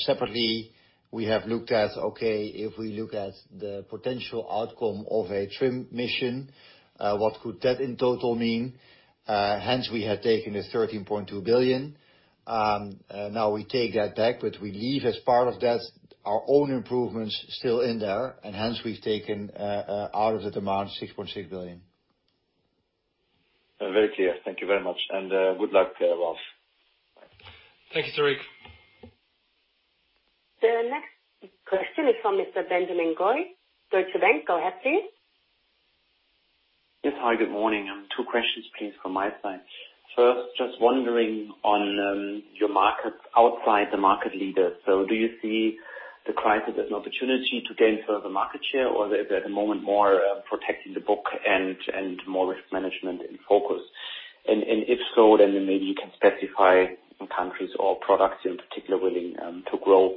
Separately, we have looked at, okay, if we look at the potential outcome of a TRIM mission, what could that in total mean? Hence, we have taken the 13.2 billion. Now we take that back, but we leave as part of that our own improvements still in there, and hence we've taken out of the demand 6.6 billion. Very clear. Thank you very much. Good luck, Ralph. Bye. Thank you, Tarik. The next question is from Mr. Benjamin Goy, Deutsche Bank. Go ahead, please. Yes. Hi, good morning. Two questions, please, from my side. Just wondering on your markets outside the market leader, do you see the crisis as an opportunity to gain further market share, or is there at the moment more protecting the book and more risk management in focus? If so, maybe you can specify countries or products in particular willing to grow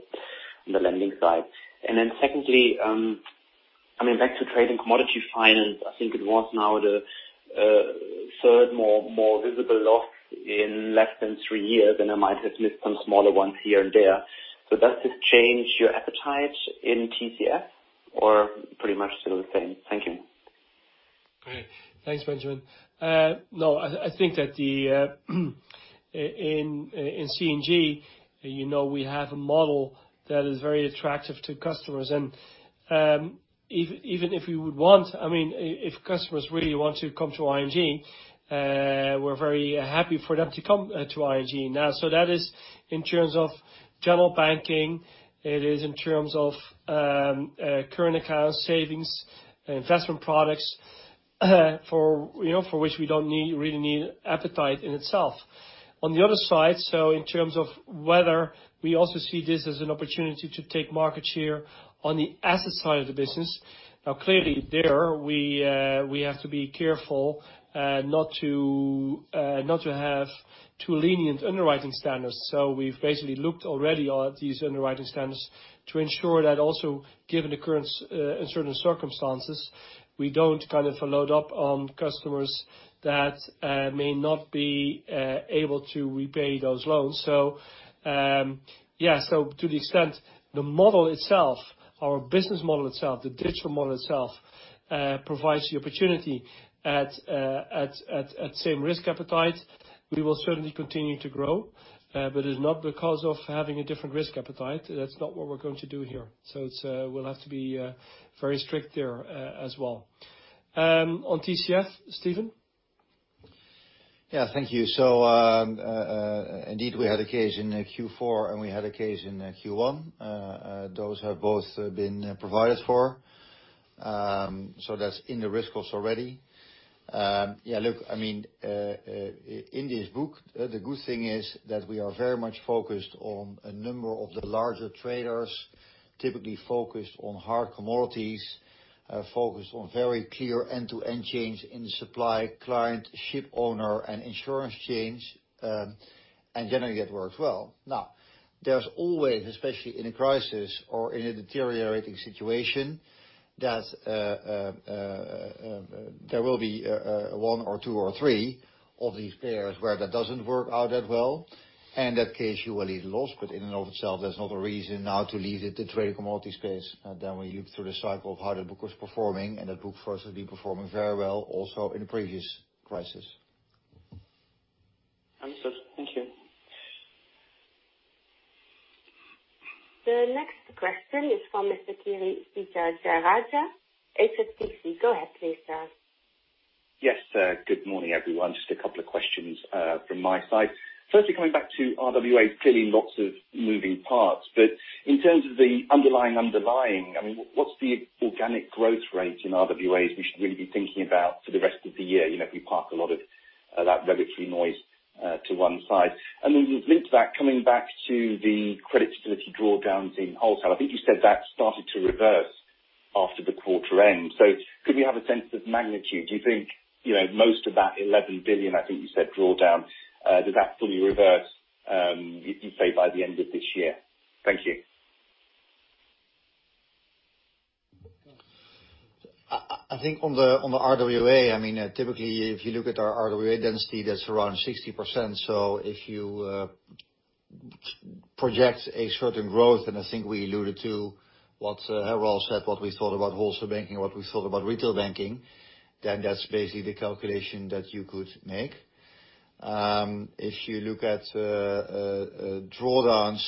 on the lending side. Secondly, back to Trade and Commodity Finance. I think it was now the third more visible loss in less than three years. I might have missed some smaller ones here and there. Does this change your appetite in TCF, or pretty much still the same? Thank you. Great. Thanks, Benjamin. I think that in C&G, we have a model that is very attractive to customers. Even if we would want, if customers really want to come to ING, we're very happy for them to come to ING now. That is in terms of general banking, it is in terms of current accounts, savings, investment products, for which we don't really need appetite in itself. On the other side, in terms of whether we also see this as an opportunity to take market share on the asset side of the business. Clearly there we have to be careful not to have too lenient underwriting standards. We've basically looked already at these underwriting standards to ensure that also, given the current uncertain circumstances, we don't load up on customers that may not be able to repay those loans. To the extent the model itself, our business model itself, the digital model itself, provides the opportunity at same risk appetite. We will certainly continue to grow, but it's not because of having a different risk appetite. That's not what we're going to do here. We'll have to be very strict there as well. On TCF, Steven? Yeah. Thank you. Indeed, we had a case in Q4, and we had a case in Q1. Those have both been provided for. That's in the risk costs already. Look, in this book, the good thing is that we are very much focused on a number of the larger traders, typically focused on hard commodities, focused on very clear end-to-end chains in the supply, client, ship owner and insurance chains. Generally, that works well. Now, there's always, especially in a crisis or in a deteriorating situation, there will be one or two or three of these payers where that doesn't work out that well, and in that case, you will eat a loss. In and of itself, that's not a reason now to leave the trade commodity space. We look through the cycle of how the book was performing, and that book for us has been performing very well, also in the previous crisis. Understood. Thank you. The next question is from Mr. Kirishanthan Vijayarajah, HSBC. Go ahead, please, sir. Yes. Good morning, everyone. Just a couple of questions from my side. Firstly, coming back to RWAs, clearly lots of moving parts, but in terms of the underlying, what's the organic growth rate in RWAs we should really be thinking about for the rest of the year? If we park a lot of that regulatory noise to one side. Linked to that, coming back to the credit facility drawdowns in wholesale. I think you said that started to reverse after the quarter end. Could we have a sense of magnitude? Do you think most of that 11 billion, I think you said drawdown, did that fully reverse? We can say by the end of this year. Thank you. I think on the RWA, typically, if you look at our RWA density, that's around 60%. If you project a certain growth, and I think we alluded to what Ralph said, what we thought about Wholesale Banking, what we thought about Retail Banking, then that's basically the calculation that you could make. If you look at drawdowns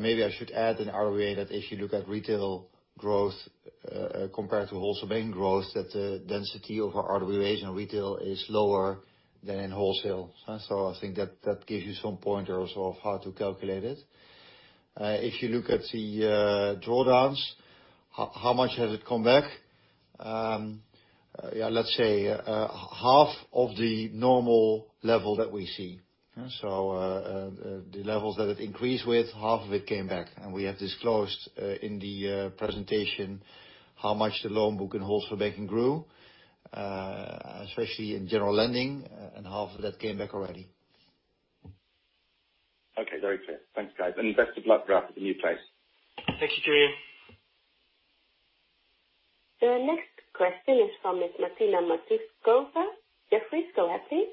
Maybe I should add an RWA, that if you look at retail growth compared to Wholesale Banking growth, that the density of our RWA in retail is lower than in wholesale. I think that gives you some pointers of how to calculate it. If you look at the drawdowns, how much has it come back? Let's say, half of the normal level that we see. The levels that it increased with, half of it came back. We have disclosed in the presentation how much the loan book in Wholesale Banking grew, especially in general lending, and half of that came back already. Okay. Very clear. Thanks, guys. Best of luck, Ralph, at the new place. Thank you, Kirish. The next question is from Ms. Martina Matoušková, Jefferies. Go ahead, please.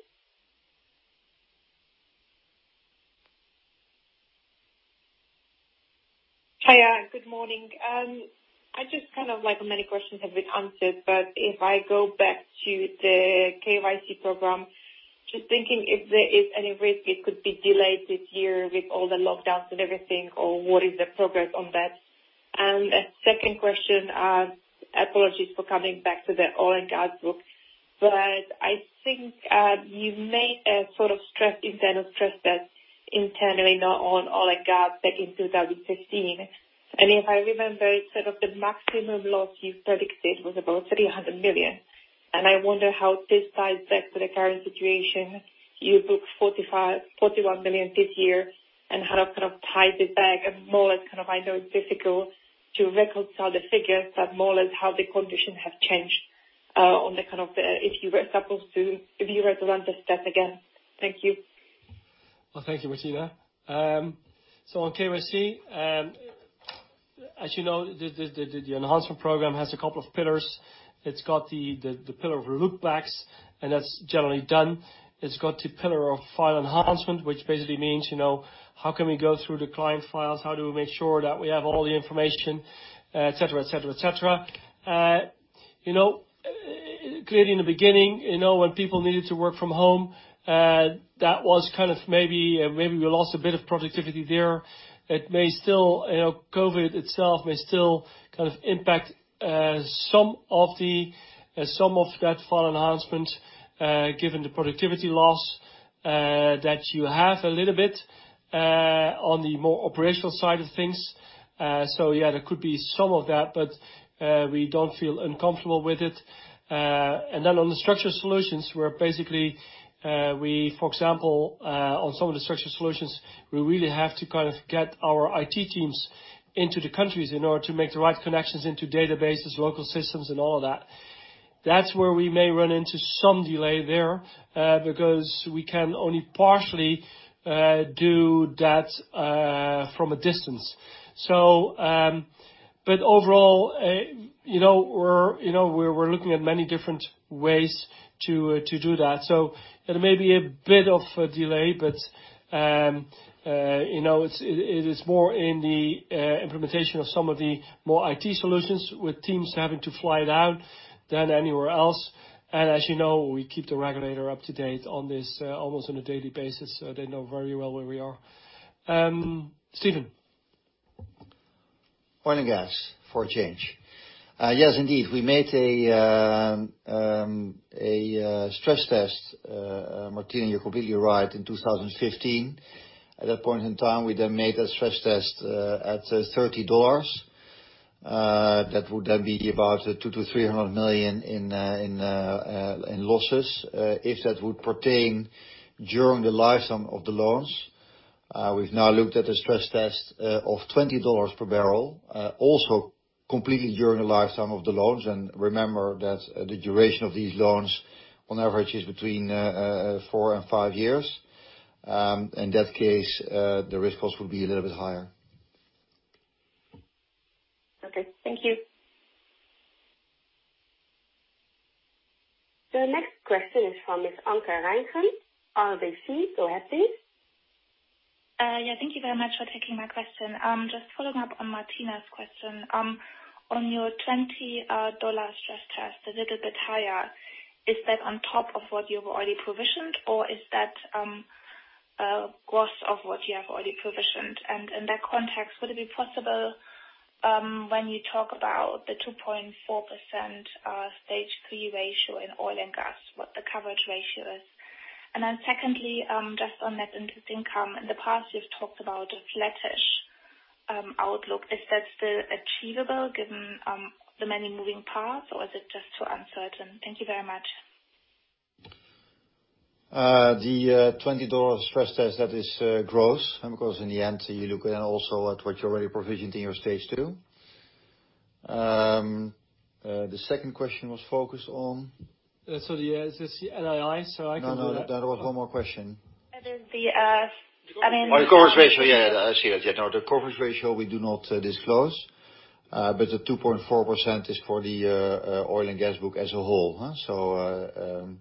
Hi. Good morning. Many questions have been answered, but if I go back to the KYC program, just thinking if there is any risk it could be delayed this year with all the lockdowns and everything, or what is the progress on that? A second question, apologies for coming back to the oil and gas book, but I think you've made a sort of internal stress test internally on oil and gas back in 2015. If I remember, the maximum loss you predicted was about 300 million. I wonder how this ties back to the current situation. You booked 41 million this year, and how to tie this back, and more or less, I know it's difficult to reconcile the figures, but more or less how the conditions have changed on the, if you were supposed to rerun the step again. Thank you. Well, thank you, Martina. On KYC, as you know, the enhancement program has a couple of pillars. It's got the pillar of look backs, and that's generally done. It's got the pillar of file enhancement, which basically means, how can we go through the client files, how do we make sure that we have all the information, et cetera. Clearly in the beginning, when people needed to work from home, that was maybe we lost a bit of productivity there. COVID itself may still impact some of that file enhancement, given the productivity loss that you have a little bit, on the more operational side of things. Yeah, there could be some of that, but we don't feel uncomfortable with it. On the structured solutions, where basically we, for example on some of the structured solutions, we really have to get our IT teams into the countries in order to make the right connections into databases, local systems, and all of that. That's where we may run into some delay there, because we can only partially do that from a distance. Overall, we're looking at many different ways to do that. There may be a bit of a delay, but it is more in the implementation of some of the more IT solutions with teams having to fly down than anywhere else. As you know, we keep the regulator up to date on this almost on a daily basis, so they know very well where we are. Steven? Oil and gas for a change. Yes, indeed. We made a stress test, Martina, you're completely right, in 2015. At that point in time, we then made a stress test at $30. That would then be about 200 million- 300 million in losses, if that would pertain during the lifetime of the loans. We've now looked at a stress test of $20 per barrel, also completely during the lifetime of the loans. Remember that the duration of these loans on average is between four years and five years. In that case, the risk cost would be a little bit higher. Okay. Thank you. The next question is from Ms. Anke Reingen of RBC. Go ahead, please. Yeah. Thank you very much for taking my question. Just following up on Martina's question. On your $20 stress test, a little bit higher, is that on top of what you've already provisioned, or is that gross of what you have already provisioned? In that context, would it be possible, when you talk about the 2.4% stage three ratio in oil and gas, what the coverage ratio is? Secondly, just on net interest income, in the past, you've talked about a flattish outlook. Is that still achievable given the many moving parts, or is it just too uncertain? Thank you very much. The $20 stress test, that is gross because in the end, you look also at what you already provisioned in your stage two. The second question was focused on? The NII, so I can do that. No, there was one more question. That is the, I mean- On coverage ratio. Yeah, I see that. The coverage ratio we do not disclose. The 2.4% is for the oil and gas book as a whole.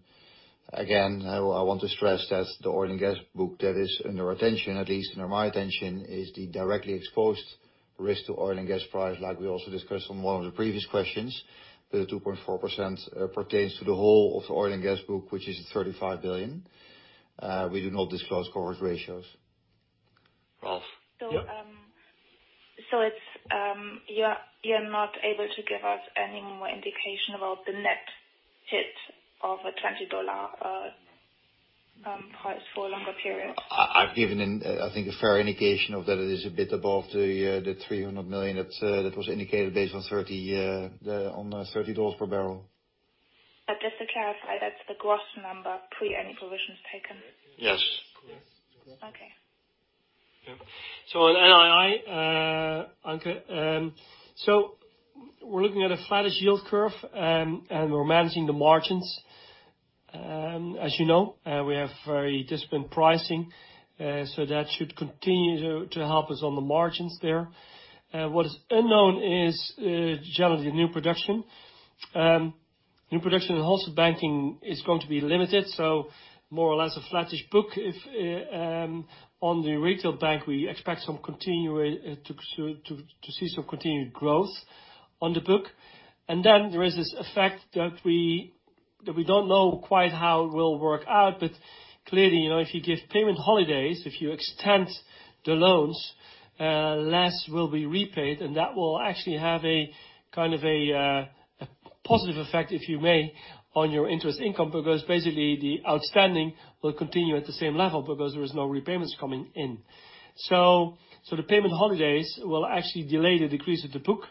Again, I want to stress that the oil and gas book that is under attention, at least under my attention, is the directly exposed risk to oil and gas price like we also discussed on one of the previous questions. The 2.4% pertains to the whole of the oil and gas book, which is 35 billion. We do not disclose coverage ratios. Ralph? You're not able to give us any more indication about the net hit of a $20 price for a longer period? I've given, I think, a fair indication of that. It is a bit above the 300 million that was indicated based on $30 per barrel. Just to clarify, that's the gross number pre any provisions taken? Yes. Okay. On NII, Anke, we're looking at a flattish yield curve, and we're managing the margins. As you know, we have very disciplined pricing, so that should continue to help us on the margins there. What is unknown is generally new production. New production in Wholesale Banking is going to be limited, so more or less a flattish book. On the Retail Bank, we expect to see some continued growth on the book. There is this effect that we don't know quite how it will work out, but clearly, if you give payment holidays, if you extend the loans, less will be repaid and that will actually have a positive effect, if you may, on your interest income. Basically the outstanding will continue at the same level because there is no repayments coming in. The payment holidays will actually delay the decrease of the book.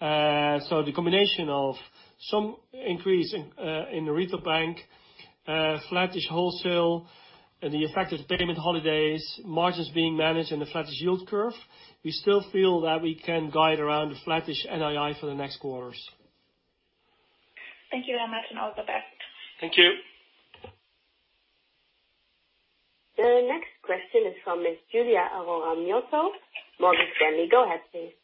The combination of some increase in the Retail Bank, flattish wholesale and the effect of payment holidays, margins being managed and the flattish yield curve, we still feel that we can guide around a flattish NII for the next quarters. Thank you very much, and all the best. Thank you. The next question is from Miss Giulia Aurora Miotto, Morgan Stanley. Go ahead, please.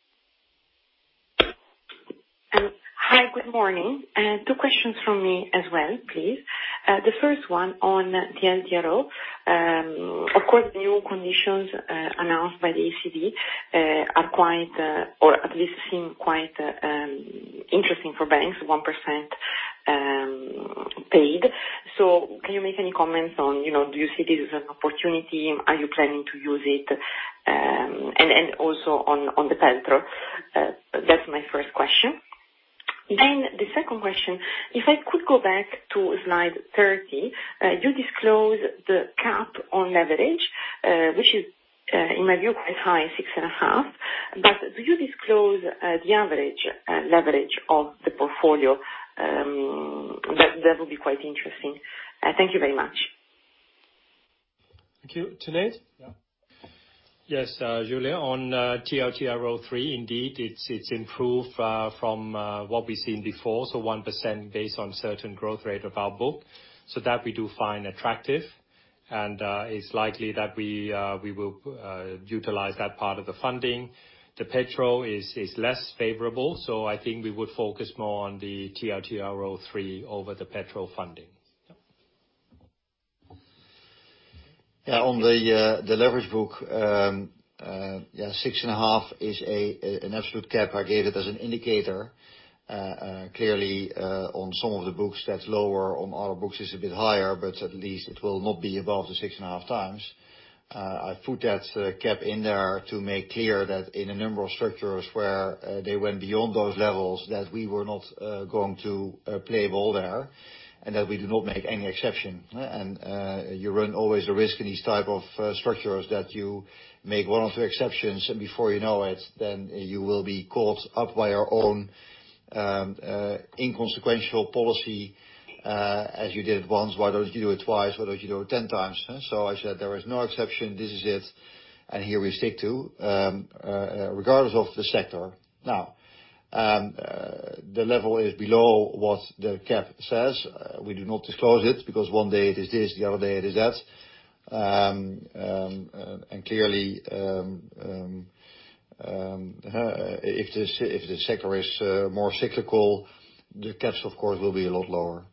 Hi, good morning. Two questions from me as well, please. The first one on the TLTRO. Of course, the new conditions announced by the ECB are quite, or at least seem quite interesting for banks, 1% paid. Can you make any comments on, do you see this as an opportunity? Are you planning to use it? Also on the PELTRO. That's my first question. The second question, if I could go back to slide 30. You disclose the cap on leverage, which is, in my view, quite high, 6.5x. Do you disclose the average leverage of the portfolio? That would be quite interesting. Thank you very much. Thank you. Tanate? Yes. Giulia, on TLTRO III, indeed, it's improved from what we've seen before. 1% based on certain growth rate of our book. That we do find attractive, and it's likely that we will utilize that part of the funding. The petrol is less favorable. I think we would focus more on the TLTRO III over the PELTRO funding. Yeah. On the leverage book, 6.5x Is an absolute cap. I gave it as an indicator. Clearly, on some of the books that's lower, on other books it's a bit higher, but at least it will not be above the 6.5x. I put that cap in there to make clear that in a number of structures where they went beyond those levels, that we were not going to play ball there, and that we do not make any exception. You run always the risk in these type of structures that you make one or two exceptions, and before you know it, then you will be caught up by your own inconsequential policy. As you did it once, why don't you do it twice? Why don't you do it 10 times? So I said there is no exception. This is it. Here we stick to, regardless of the sector. Now, the level is below what the cap says. We do not disclose it because one day it is this, the other day it is that. Clearly, if the sector is more cyclical, the caps of course will be a lot lower.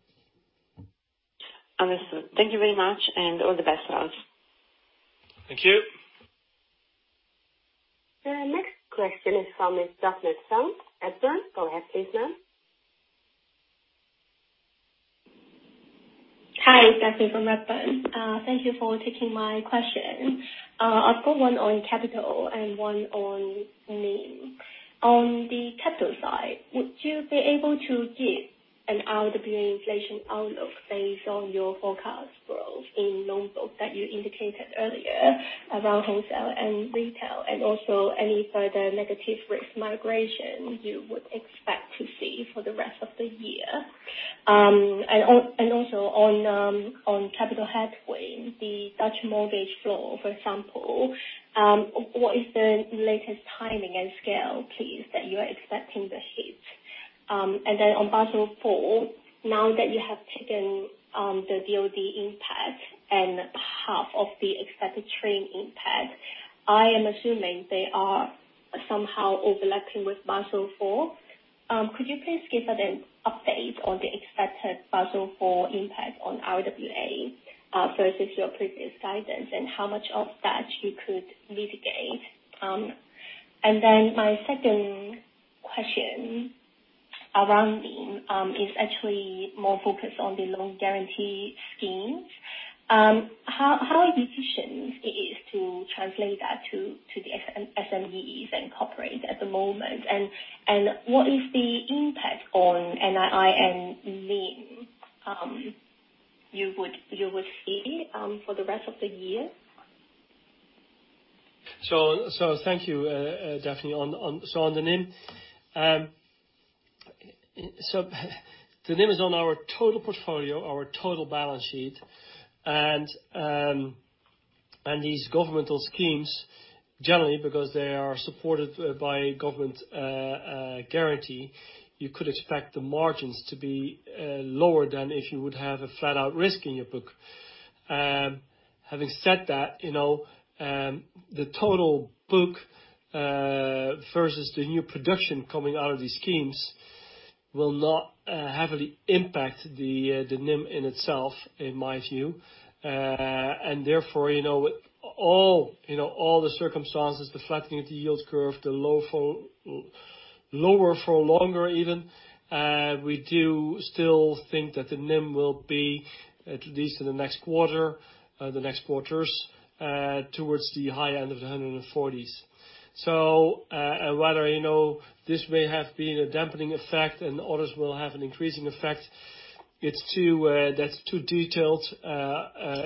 Understood. Thank you very much and all the best, guys. Thank you. The next question is from Miss Daphne Tsang, Redburn. Go ahead, please, ma'am. Hi, Daphne from Redburn. Thank you for taking my question. I've got one on capital and one on NIM. On the capital side, would you be able to give an RWA inflation outlook based on your forecast growth in loan book that you indicated earlier around wholesale and retail, and also any further negative risk migration you would expect to see for the rest of the year? Also on capital headwind, the Dutch mortgage floor, for example, what is the latest timing and scale, please, that you are expecting to hit? Then on Basel IV, now that you have taken the DoD impact and half of the expected TRIM impact, I am assuming they are somehow overlapping with Basel IV. Could you please give an update on the expected Basel IV impact on RWA versus your previous guidance, and how much of that you could mitigate? Then my second question around NIM is actually more focused on the loan guarantee schemes. How efficient it is to translate that to the SMEs and corporate at the moment and what is the impact on NII and NIM you would see for the rest of the year? Thank you, Daphne. On the NIM. The NIM is on our total portfolio, our total balance sheet. These governmental schemes, generally because they are supported by government guarantee, you could expect the margins to be lower than if you would have a flat-out risk in your book. Having said that, the total book versus the new production coming out of these schemes will not heavily impact the NIM in itself in my view. Therefore, with all the circumstances, the flattening of the yield curve, the lower for longer even, we do still think that the NIM will be, at least in the next quarter, the next quarters, towards the high end of the 140s. Whether this may have been a dampening effect and others will have an increasing effect, that's too detailed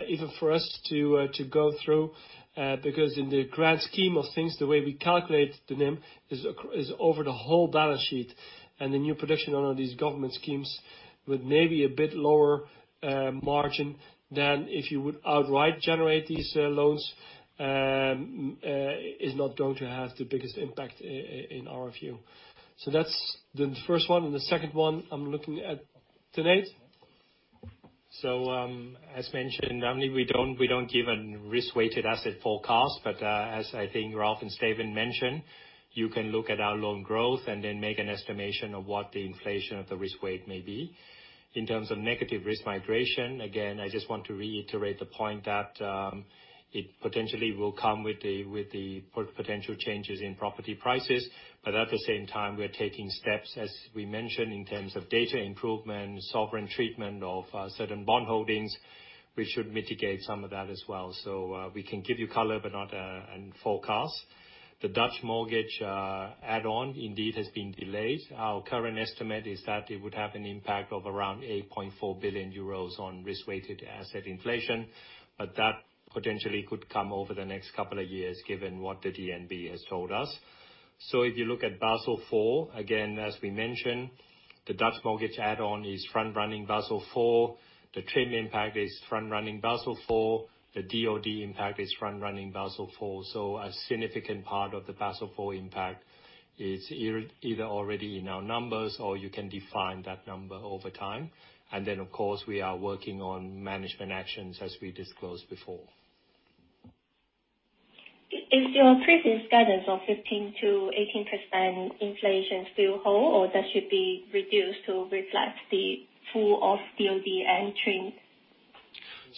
even for us to go through. In the grand scheme of things, the way we calculate the NIM is over the whole balance sheet, and the new production under these government schemes with maybe a bit lower margin than if you would outright generate these loans, is not going to have the biggest impact in our view. That's the first one. The second one I'm looking at. Tanate? As mentioned, normally we don't give a risk-weighted asset forecast. As I think Ralph and Steven mentioned, you can look at our loan growth and then make an estimation of what the inflation of the risk weight may be. In terms of negative risk migration, again, I just want to reiterate the point that it potentially will come with the potential changes in property prices. At the same time, we're taking steps, as we mentioned, in terms of data improvement, sovereign treatment of certain bond holdings, which should mitigate some of that as well. We can give you color, but not in forecast. The Dutch mortgage add-on indeed has been delayed. Our current estimate is that it would have an impact of around 8.4 billion euros on risk-weighted asset inflation, that potentially could come over the next couple of years, given what the DNB has told us. If you look at Basel IV, again, as we mentioned, the Dutch mortgage add-on is front-running Basel IV. The TRIM impact is front-running Basel IV. The DoD impact is front-running Basel IV. A significant part of the Basel IV impact is either already in our numbers or you can define that number over time. Of course, we are working on management actions as we disclosed before. Is your previous guidance of 15%-18% inflation still hold or that should be reduced to reflect the full of DoD and TRIM?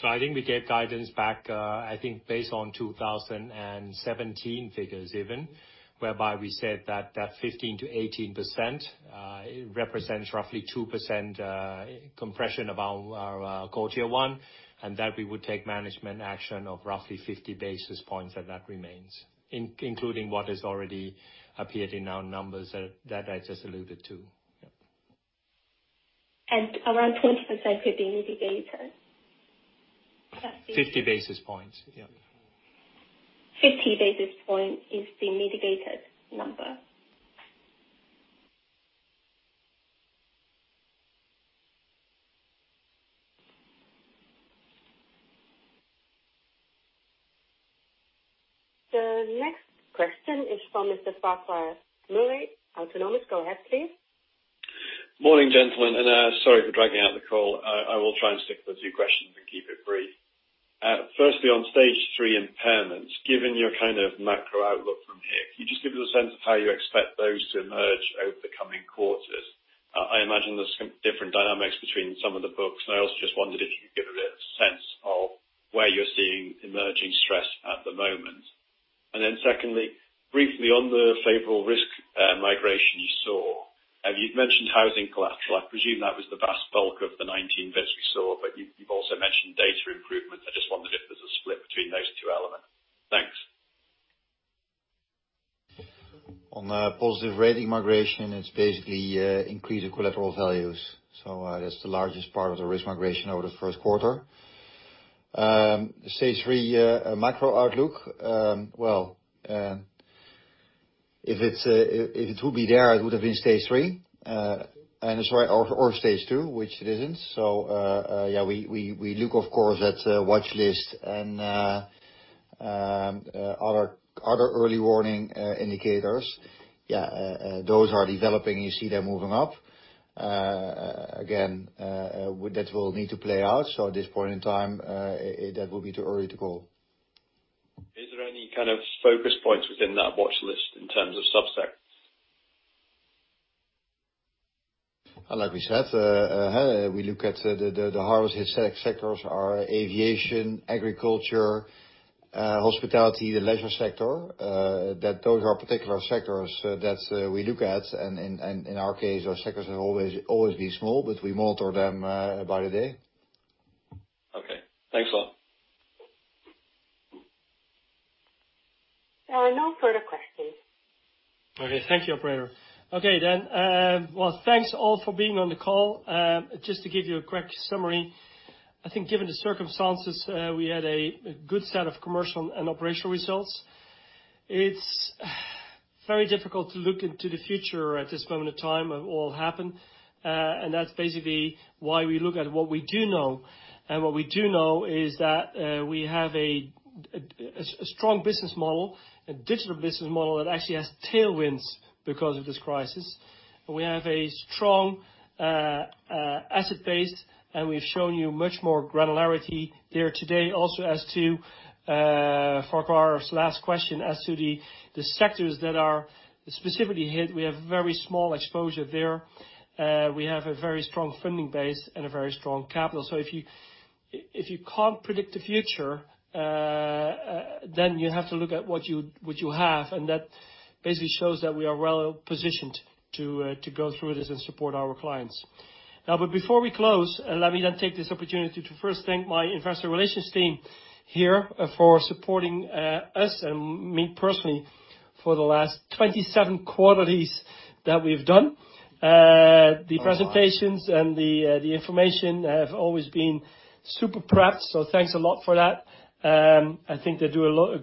I think we gave guidance back, I think based on 2017 figures even, whereby we said that that 15%-18%, it represents roughly 2% compression of our core Tier 1 and that we would take management action of roughly 50 basis points and that remains, including what has already appeared in our numbers that I just alluded to. Yep. Around 20% could be mitigated? 50 basis points. Yep. 50 basis point is the mitigated number. The next question is from Mr. Farquhar Murray, Autonomous. Go ahead, please. Morning, gentlemen. Sorry for dragging out the call. I will try and stick to the two questions and keep it brief. Firstly, on stage three impairments, given your macro outlook from here, can you just give us a sense of how you expect those to emerge over the coming quarters? I imagine there's different dynamics between some of the books, and I also just wondered if you could give a bit of sense of where you're seeing emerging stress at the moment. Secondly, briefly on the favorable risk migration you saw, you'd mentioned housing collateral. I presume that was the vast bulk of the 19 basis points we saw, but you've also mentioned data improvement. I just wondered if there's a split between those two elements. Thanks. On positive rating migration, it's basically increased collateral values. That's the largest part of the risk migration over the first quarter. stage three macro outlook. If it would be there, it would have been stage three, or stage two, which it isn't. Yeah, we look, of course, at the watchlist and other early warning indicators. Yeah, those are developing, and you see them moving up. Again, that will need to play out. At this point in time, that would be too early to call. Is there any kind of focus points within that watchlist in terms of sub-sectors? Like we said, we look at the hardest hit sectors are aviation, agriculture, hospitality, the leisure sector. Those are particular sectors that we look at, and in our case, those sectors will always be small, but we monitor them by the day. Okay. Thanks a lot. There are no further questions. Okay. Thank you, operator. Okay. Thanks all for being on the call. Just to give you a quick summary. I think given the circumstances, we had a good set of commercial and operational results. It's very difficult to look into the future at this moment in time of all happen. That's basically why we look at what we do know. What we do know is that we have a strong business model, a digital business model that actually has tailwinds because of this crisis. We have a strong asset base, and we've shown you much more granularity there today also as to Farquhar's last question as to the sectors that are specifically hit. We have very small exposure there. We have a very strong funding base and a very strong capital. If you can't predict the future, then you have to look at what you have, and that basically shows that we are well positioned to go through this and support our clients. Before we close, let me then take this opportunity to first thank my investor relations team here for supporting us and me personally for the last 27 quarterlies that we've done. The presentations and the information have always been super prepped. Thanks a lot for that. I think they do a lot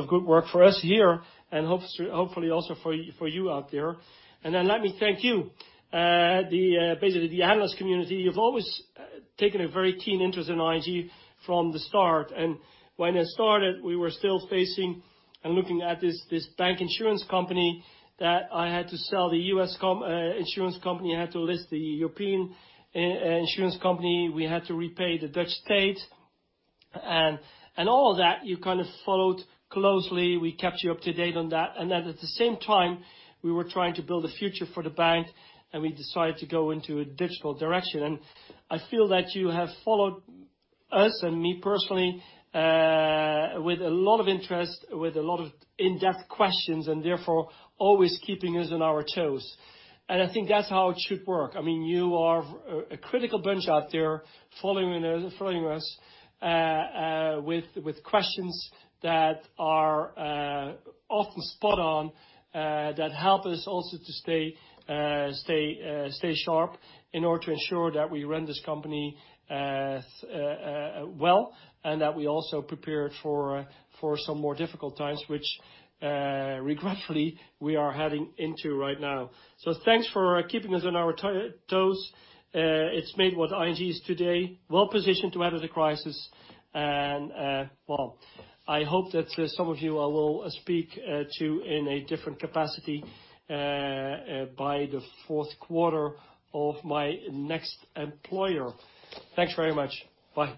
of good work for us here and hopefully also for you out there. Let me thank you, basically the analyst community. You've always taken a very keen interest in ING from the start. When I started, we were still facing and looking at this bank insurance company that I had to sell the U.S. insurance company. I had to list the European insurance company. We had to repay the Dutch state, all of that you kind of followed closely. We kept you up to date on that. At the same time, we were trying to build a future for the bank, we decided to go into a digital direction. I feel that you have followed us and me personally with a lot of interest, with a lot of in-depth questions, and therefore always keeping us on our toes. I think that's how it should work. I mean, you are a critical bunch out there following us with questions that are often spot on, that help us also to stay sharp in order to ensure that we run this company well, and that we also prepare it for some more difficult times, which regretfully we are heading into right now. Thanks for keeping us on our toes. It's made what ING is today, well-positioned to weather the crisis, well, I hope that some of you I will speak to in a different capacity by the fourth quarter of my next employer. Thanks very much. Bye.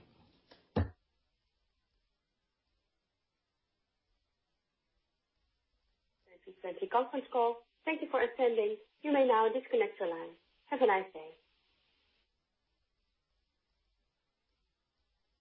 Thank you for the conference call. Thank you for attending. You may now disconnect your line. Have a nice day.